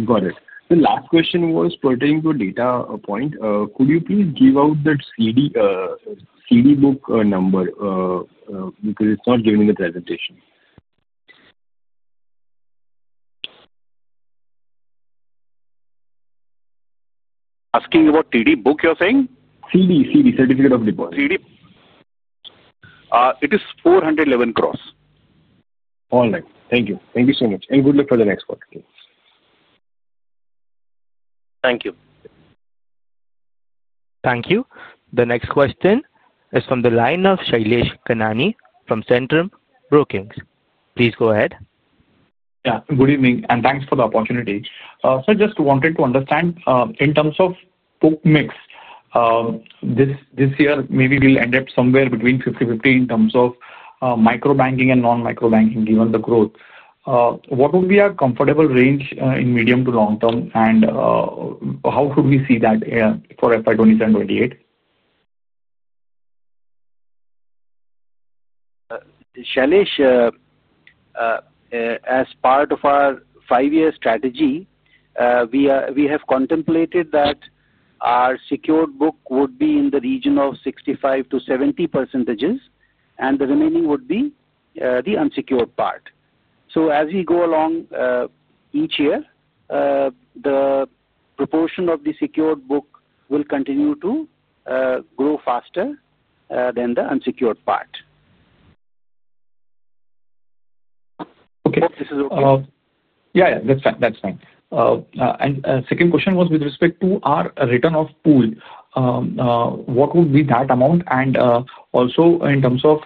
Got it. The last question was pertaining to a data point. Could you please give out that CD book number because it's not given in the presentation? Asking about TD book, you're saying? CD, CD, certificate of deposit. CD. It is 411 crore. All right. Thank you. Thank you so much, and good luck for the next quarter. Thank you. Thank you. The next question is from the line of Shailesh Kanani from Centrum Broking. Please go ahead. Good evening. Thanks for the opportunity. Sir, just wanted to understand in terms of book mix, this year, maybe we'll end up somewhere between 50/50 in terms of micro-banking and non-micro-banking given the growth. What would be a comfortable range in medium to long term? How should we see that for FY 2027-2028? Shailesh, as part of our five-year strategy, we have contemplated that our secured book would be in the region of 65%-70%. The remaining would be the unsecured part. As we go along each year, the proportion of the secured book will continue to grow faster than the unsecured part. Okay, that's fine. The second question was with respect to our return of pool. What would be that amount? Also, in terms of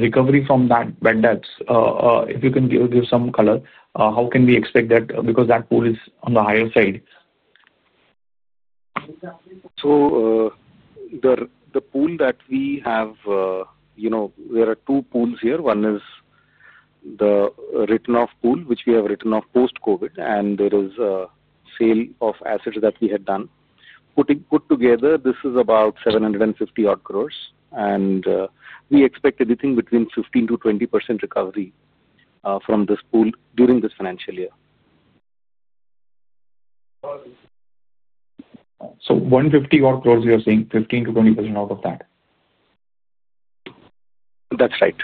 recovery from that bad debts, if you can give some color, how can we expect that because that pool is on the higher side? The pool that we have, you know, there are two pools here. One is the written-off pool, which we have written off post-COVID. There is a sale of assets that we had done. Put together, this is about 750 crore. We expect anything between 15%-20% recovery from this pool during this financial year. 150-odd crores, you're saying 15%-20% out of that? That's right.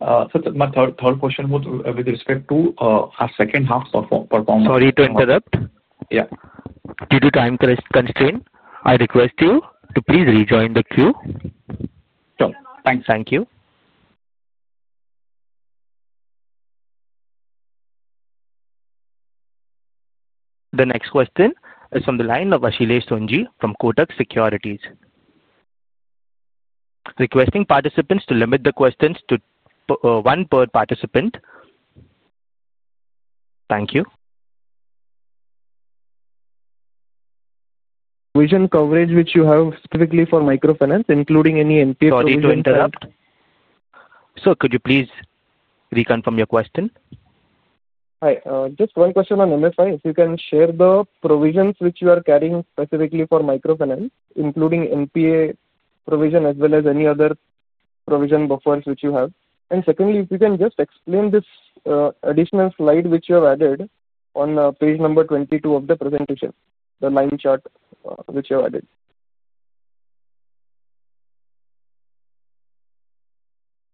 My third question was with respect to our second-half performance. Sorry to interrupt. Yeah. Due to time constraint, I request you to please rejoin the queue. Oh, thanks. Thank you. The next question is from the line of Ashlesh Sonje from Kotak Securities. Requesting participants to limit the questions to one per participant. Thank you. Vision coverage which you have specifically for microfinance, including any NPA provisions. Sorry to interrupt. Sir, could you please reconfirm your question? Hi. Just one question on MFI. If you can share the provisions which you are carrying specifically for microfinance, including NPA provision as well as any other provision buffers which you have. Secondly, if you can just explain this additional slide which you have added on page number 22 of the presentation, the line chart which you have added.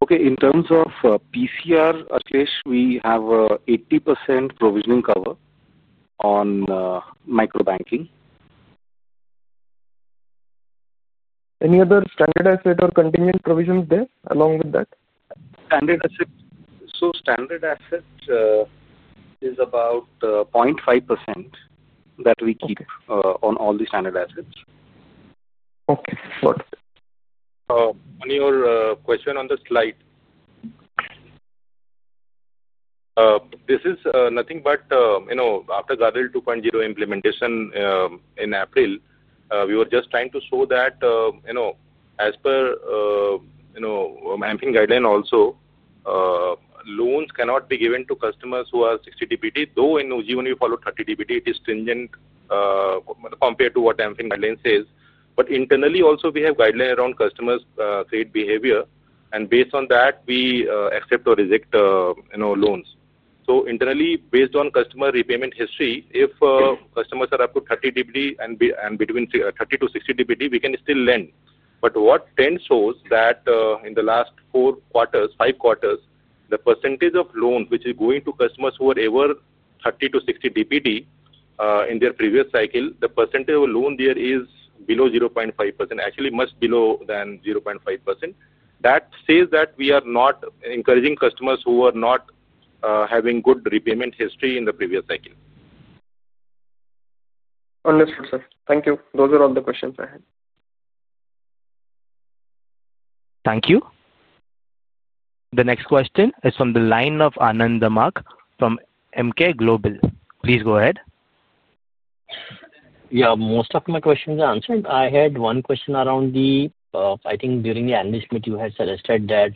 Okay. In terms of PCR, Ashlesh, we have 80% provision cover on micro-banking. Any other standard asset or containing provisions there along with that? Standard asset. Standard asset is about 0.5% that we keep on all the standard assets. Okay, got it. On your question on the slide, this is nothing but, you know, after guardrail 2.0 implementation in April, we were just trying to show that, you know, as per MFIN guideline, also, loans cannot be given to customers who are 60 DBD. Though in Ujjivan, we follow 30 DBD, it is stringent compared to what the MFIN guideline says. Internally, also, we have guidelines around customer trade behavior, and based on that, we accept or reject loans. Internally, based on customer repayment history, if customers are up to 30 DBD and between 30-60 DBD, we can still lend. What trend shows is that in the last four quarters, five quarters, the percentage of loans which is going to customers who are over 30-60 DBD in their previous cycle, the percentage of loan there is below 0.5%. Actually, much below 0.5%. That says that we are not encouraging customers who are not having good repayment history in the previous cycle. Understood, sir. Thank you. Those are all the questions I had. Thank you. The next question is from the line of Anan Dama from Emkay Global. Please go ahead. Yeah, most of my questions are answered. I had one question around the, I think, during the admission, you had suggested that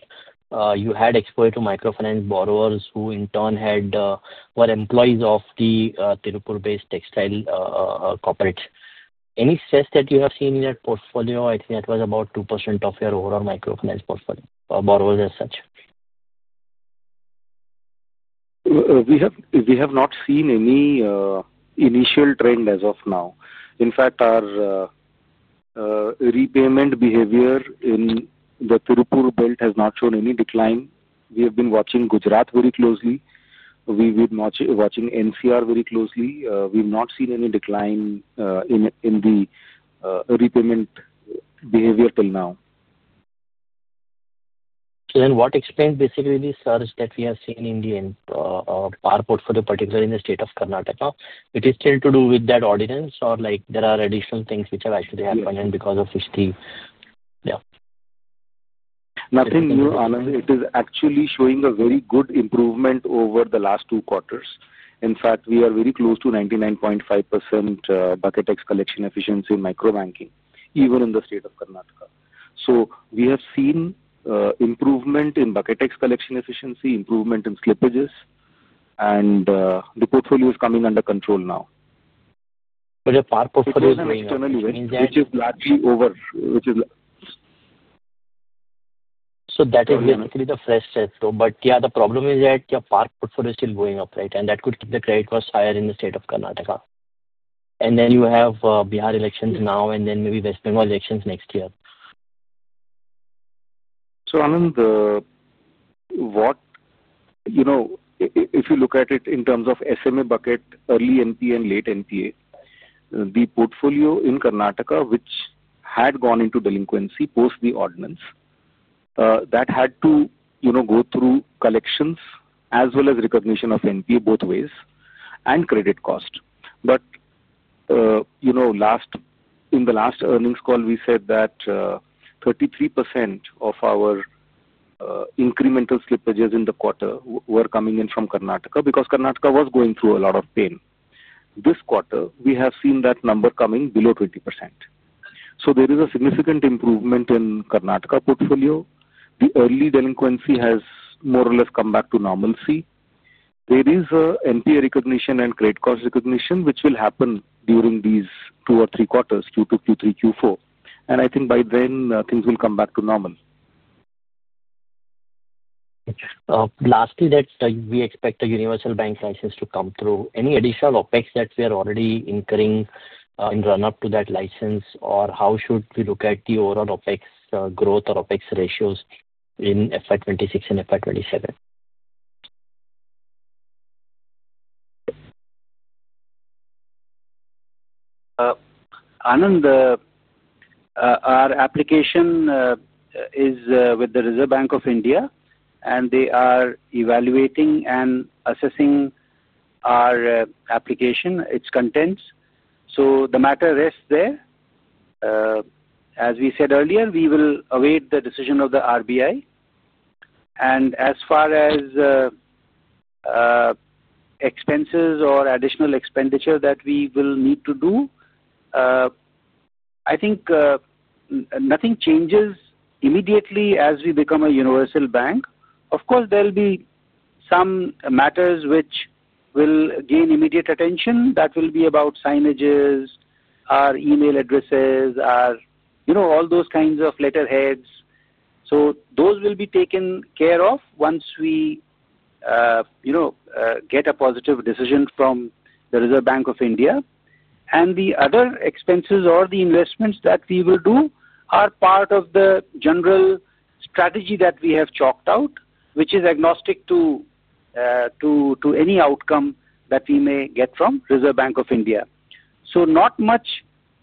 you had exposure to microfinance borrowers who, in turn, were employees of the Tirupur-based textile corporate. Any stress that you have seen in that portfolio? I think that was about 2% of your overall microfinance borrowers as such. We have not seen any initial trend as of now. In fact, our repayment behavior in the Tirupur belt has not shown any decline. We have been watching Gujarat very closely. We've been watching NCR very closely. We've not seen any decline in the repayment behavior till now. What explains basically the surge that we have seen in the entire portfolio, particularly in the state of Karnataka? Is it still to do with that audience, or are there additional things which have actually happened because of which the, yeah. Nothing new, Anand. It is actually showing a very good improvement over the last two quarters. In fact, we are very close to 99.5% bucket-wise collection efficiency in micro-banking, even in the state of Karnataka. We have seen improvement in bucket-wise collection efficiency, improvement in slippages, and the portfolio is coming under control now. The PAR portfolio is not. Which is largely over. That is basically the fresh test, though. Yeah, the problem is that your PAR portfolio is still going up, right? That could keep the credit costs higher in the state of Karnataka. You have Bihar elections now and then maybe West Bengal elections next year. If you look at it in terms of SME bucket, early NPA, and late NPA, the portfolio in Karnataka, which had gone into delinquency post the ordinance, had to go through collections as well as recognition of NPA both ways and credit cost. In the last earnings call, we said that 33% of our incremental slippages in the quarter were coming in from Karnataka because Karnataka was going through a lot of pain. This quarter, we have seen that number coming below 20%. There is a significant improvement in the Karnataka portfolio. The early delinquency has more or less come back to normalcy. There is NPA recognition and credit cost recognition, which will happen during these two or three quarters, Q2, Q3, Q4. I think by then, things will come back to normal. Lastly, that we expect a universal bank license to come through. Any additional OpEx that we are already incurring in run-up to that license? How should we look at the overall OpEx growth or OpEx ratios in FY 2026 and FY 2027? Anand, our application is with the Reserve Bank of India. They are evaluating and assessing our application, its contents. The matter rests there. As we said earlier, we will await the decision of the RBI. As far as expenses or additional expenditure that we will need to do, I think nothing changes immediately as we become a universal bank. Of course, there will be some matters which will gain immediate attention. That will be about signages, our email addresses, all those kinds of letterheads. Those will be taken care of once we get a positive decision from the Reserve Bank of India. The other expenses or the investments that we will do are part of the general strategy that we have chalked out, which is agnostic to any outcome that we may get from the Reserve Bank of India. Not much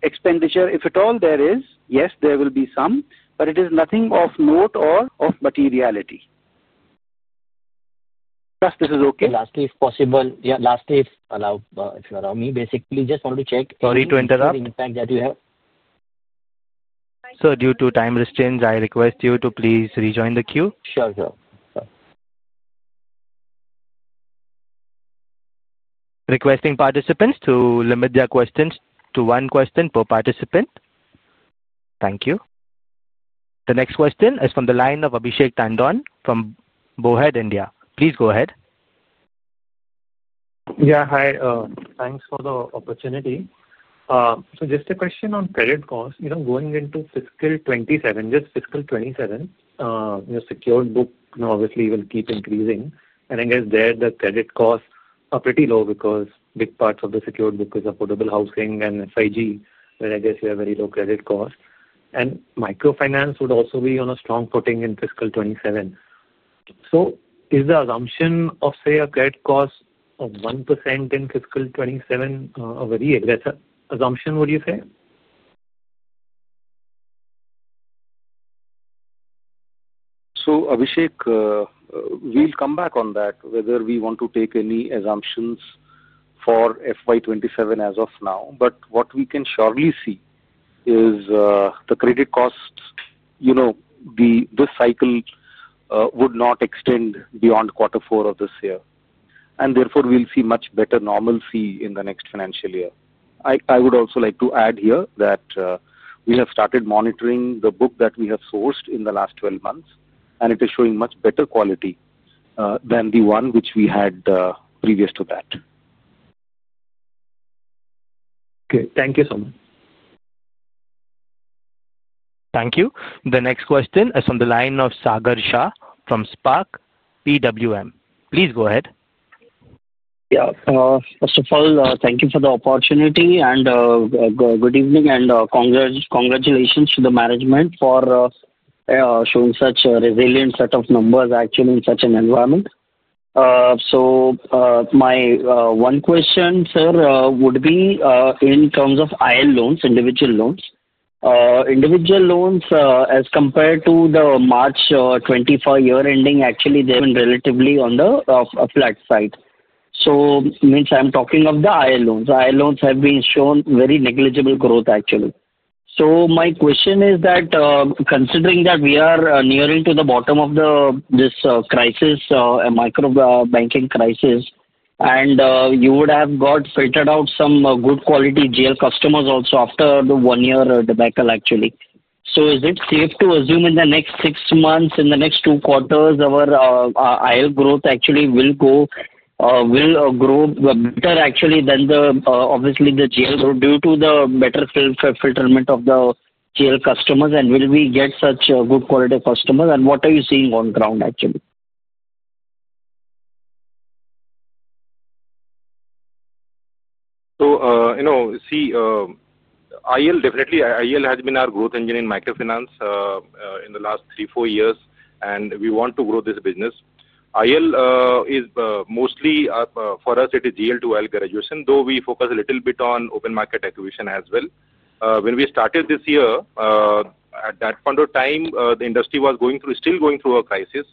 expenditure, if at all there is. Yes, there will be some, but it is nothing of note or of materiality. This is okay. Lastly, if possible, if you allow me, basically, just wanted to check. Sorry to interrupt. The impact that you have. Sir, due to time restraints, I request you to please rejoin the queue. Sure, sure. Requesting participants to limit their questions to one question per participant. Thank you. The next question is from the line of Abhishek Tandon from Bowhead India. Please go ahead. Yeah. Hi. Thanks for the opportunity. Just a question on credit cost. You know, going into fiscal 2027, just fiscal 2027, your secured book, you know, obviously will keep increasing. I guess there the credit costs are pretty low because a big part of the secured book is affordable housing and FIG. I guess you have very low credit costs. Microfinance would also be on a strong footing in fiscal 2027. Is the assumption of, say, a credit cost of 1% in fiscal 2027 a variant? That's an assumption, would you say? Abhishek, we'll come back on that, whether we want to take any assumptions for FY 2027 as of now. What we can surely see is the credit costs, you know, this cycle would not extend beyond quarter four of this year. Therefore, we'll see much better normalcy in the next financial year. I would also like to add here that we have started monitoring the book that we have sourced in the last 12 months, and it is showing much better quality than the one which we had previous to that. Okay, thank you so much. Thank you. The next question is from the line of Sagar Shah from Spark PWM. Please go ahead. Yeah. First of all, thank you for the opportunity. Good evening, and congratulations to the management for showing such a resilient set of numbers, actually, in such an environment. My one question, sir, would be in terms of individual loans. Individual loans, as compared to the March 2024 year-ending, actually, they have been relatively on the flat side. It means I'm talking of the individual loans. Individual loans have been shown very negligible growth, actually. My question is that, considering that we are nearing to the bottom of this crisis, a micro-banking crisis, and you would have got filtered out some good-quality group loan customers also after the one-year debacle, actually. Is it safe to assume in the next six months, in the next two quarters, our individual loan growth actually will grow better, actually, than the, obviously, the group loan growth due to the better filterment of the group loan customers? Will we get such good-quality customers? What are you seeing on the ground, actually? IL definitely has been our growth engine in microfinance in the last three or four years. We want to grow this business. IL is mostly, for us, it is group loan to individual loan graduation, though we focus a little bit on open market acquisition as well. When we started this year, at that point of time, the industry was still going through a crisis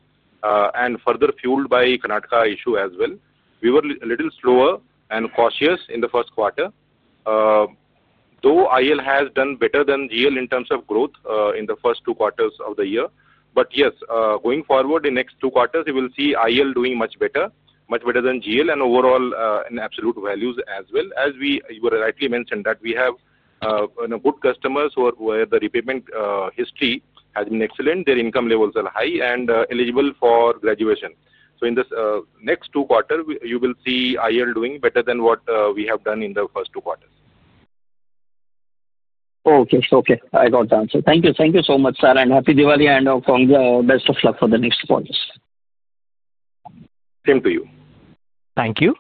and further fueled by the Karnataka issue as well. We were a little slower and cautious in the first quarter. Though individual loans have done better than group loans in terms of growth in the first two quarters of the year, going forward in the next two quarters, you will see individual loans doing much better, much better than group loans, and overall in absolute values as well. As was rightly mentioned, we have good customers where the repayment history has been excellent. Their income levels are high and eligible for graduation. In the next two quarters, you will see individual loans doing better than what we have done in the first two quarters. Okay. I got the answer. Thank you. Thank you so much, sir. Happy Diwali and best of luck for the next quarters. Same to you. Thank you.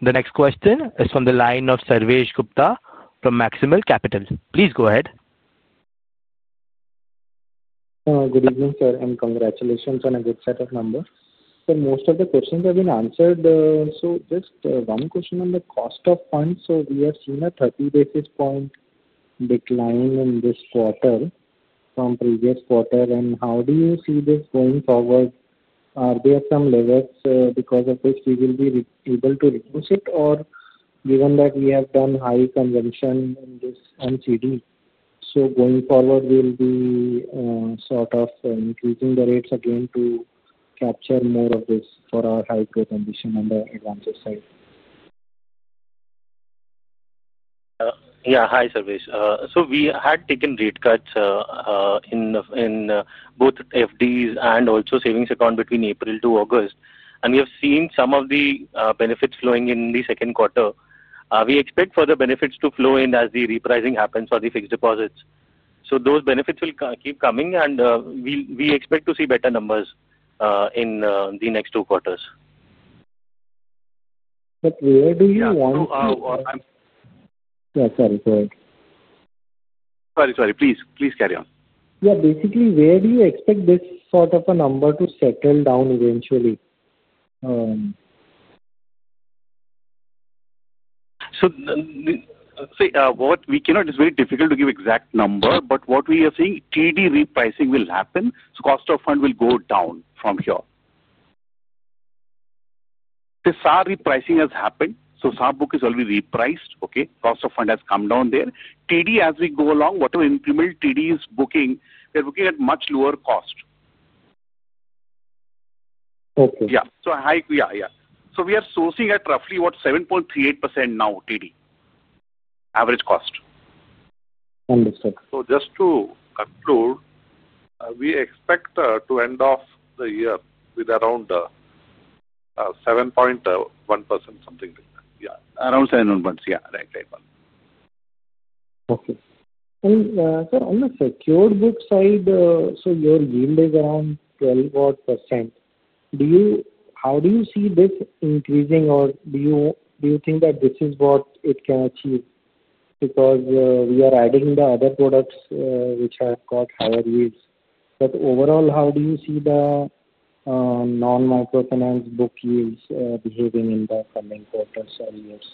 The next question is from the line of Sarvesh Gupta from Maximal Capitals. Please go ahead. Good evening, sir. Congratulations on a good set of numbers. Most of the questions have been answered. Just one question on the cost of points. We have seen a 30-basis point decline in this quarter from the previous quarter. How do you see this going forward? Are there some levers because of which we will be able to reduce it? Given that we have done high consumption in this NCD, going forward, we'll be sort of increasing the rates again to capture more of this for our high growth ambition on the advances side. Yeah, hi, Surbhesh. We had taken rate cuts in both FDs and also savings accounts between April to August. We have seen some of the benefits flowing in the second quarter. We expect further benefits to flow in as the repricing happens for the fixed deposits. Those benefits will keep coming, and we expect to see better numbers in the next two quarters. Where do you want? So, I'm. Yeah, sorry. Go ahead. Sorry, please carry on. Yeah, basically, where do you expect this sort of a number to settle down eventually? What we cannot is very difficult to give an exact number, but what we are seeing, TD repricing will happen, so cost of fund will go down from here. The CASA repricing has happened, so CASA book is already repriced, okay? Cost of fund has come down there. TD, as we go along, whatever increment TD is booking, they're booking at much lower cost. Okay. Yeah, we are sourcing at roughly 7.38% now, TD average cost. Understood. To conclude, we expect to end off the year with around 7.1%, something like that. Yeah. Around 7.1%. Yeah, right, right. On the secured book side, your yield is around 12%. Do you see this increasing, or do you think that this is what it can achieve? We are adding the other products, which have got higher yields. Overall, how do you see the non-microfinance book yields behaving in the coming quarters or years?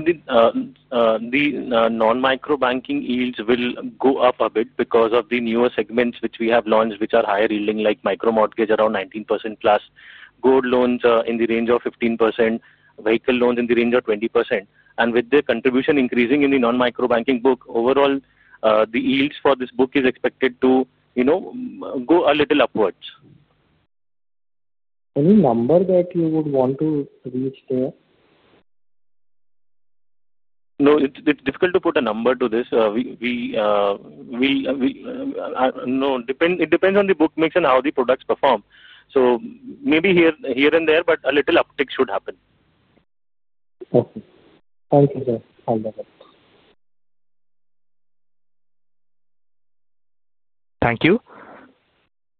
The non-micro banking yields will go up a bit because of the newer segments which we have launched, which are higher yielding, like micro mortgage, around 19%+. Gold loans, in the range of 15%. Vehicle loans in the range of 20%. With the contribution increasing in the non-micro banking book, overall, the yields for this book is expected to, you know, go a little upwards. Any number that you would want to reach there? No, it's difficult to put a number to this. It depends on the book mix and how the products perform. Maybe here and there, but a little uptick should happen. Okay. Thank you, sir. Thank you.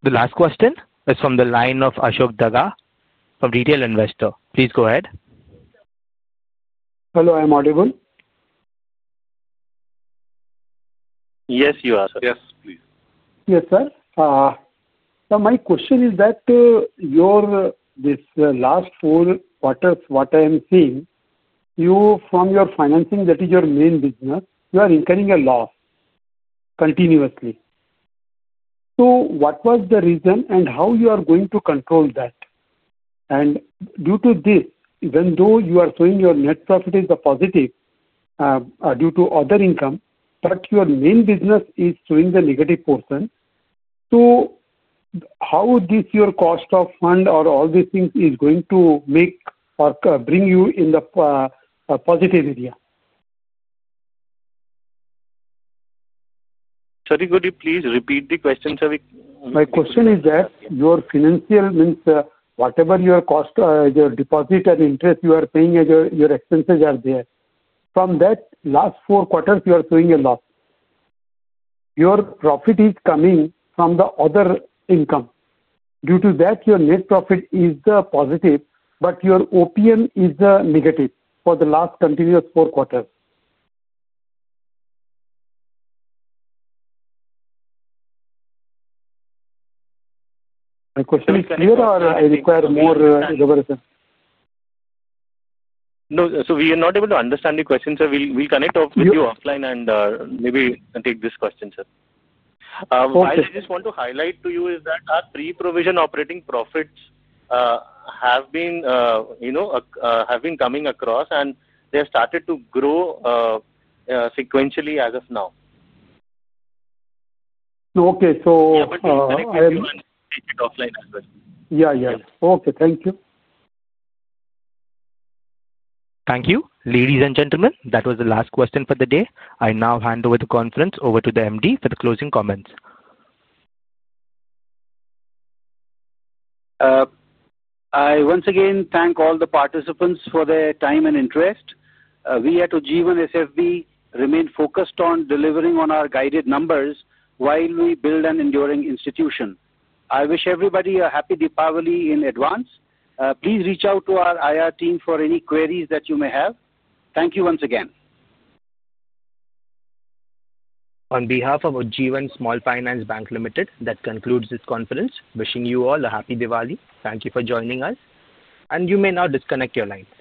The last question is from the line of from Retail Investor. Please go ahead. Hello, am I audible? Yes, you are, sir. Yes, please. Yes, sir. My question is that, your last four quarters, what I am seeing, from your financing, that is your main business, you are incurring a loss continuously. What was the reason and how are you going to control that? Due to this, even though you are showing your net profit is positive, due to other income, your main business is showing the negative portion. How is your cost of fund or all these things going to make or bring you in the positive area? Sorry, could you please repeat the question, Surbhi, once again? My question is that your financial means, whatever your cost, your deposit and interest you are paying and your expenses are there. From that, last four quarters, you are showing a loss. Your profit is coming from the other income. Due to that, your net profit is positive, but your OPM is negative for the last continuous four quarters. My question is clear or I require more elaboration? No, we are not able to understand the question, sir. We'll connect with you offline and maybe take this question, sir. Okay. What I just want to highlight to you is that our pre-provision operating profits have been, you know, coming across and they have started to grow sequentially as of now. Okay, so. Yeah, we'll connect with you and take it offline as well. Okay, thank you. Thank you. Ladies and gentlemen, that was the last question for the day. I now hand over the conference to the MD for the closing comments. I once again thank all the participants for their time and interest. We at Ujjivan Small Finance Bank remain focused on delivering on our guided numbers while we build an enduring institution. I wish everybody a happy Diwali in advance. Please reach out to our IR team for any queries that you may have. Thank you once again. On behalf of Ujjivan Small Finance Bank, that concludes this conference. Wishing you all a happy Diwali. Thank you for joining us. You may now disconnect your line.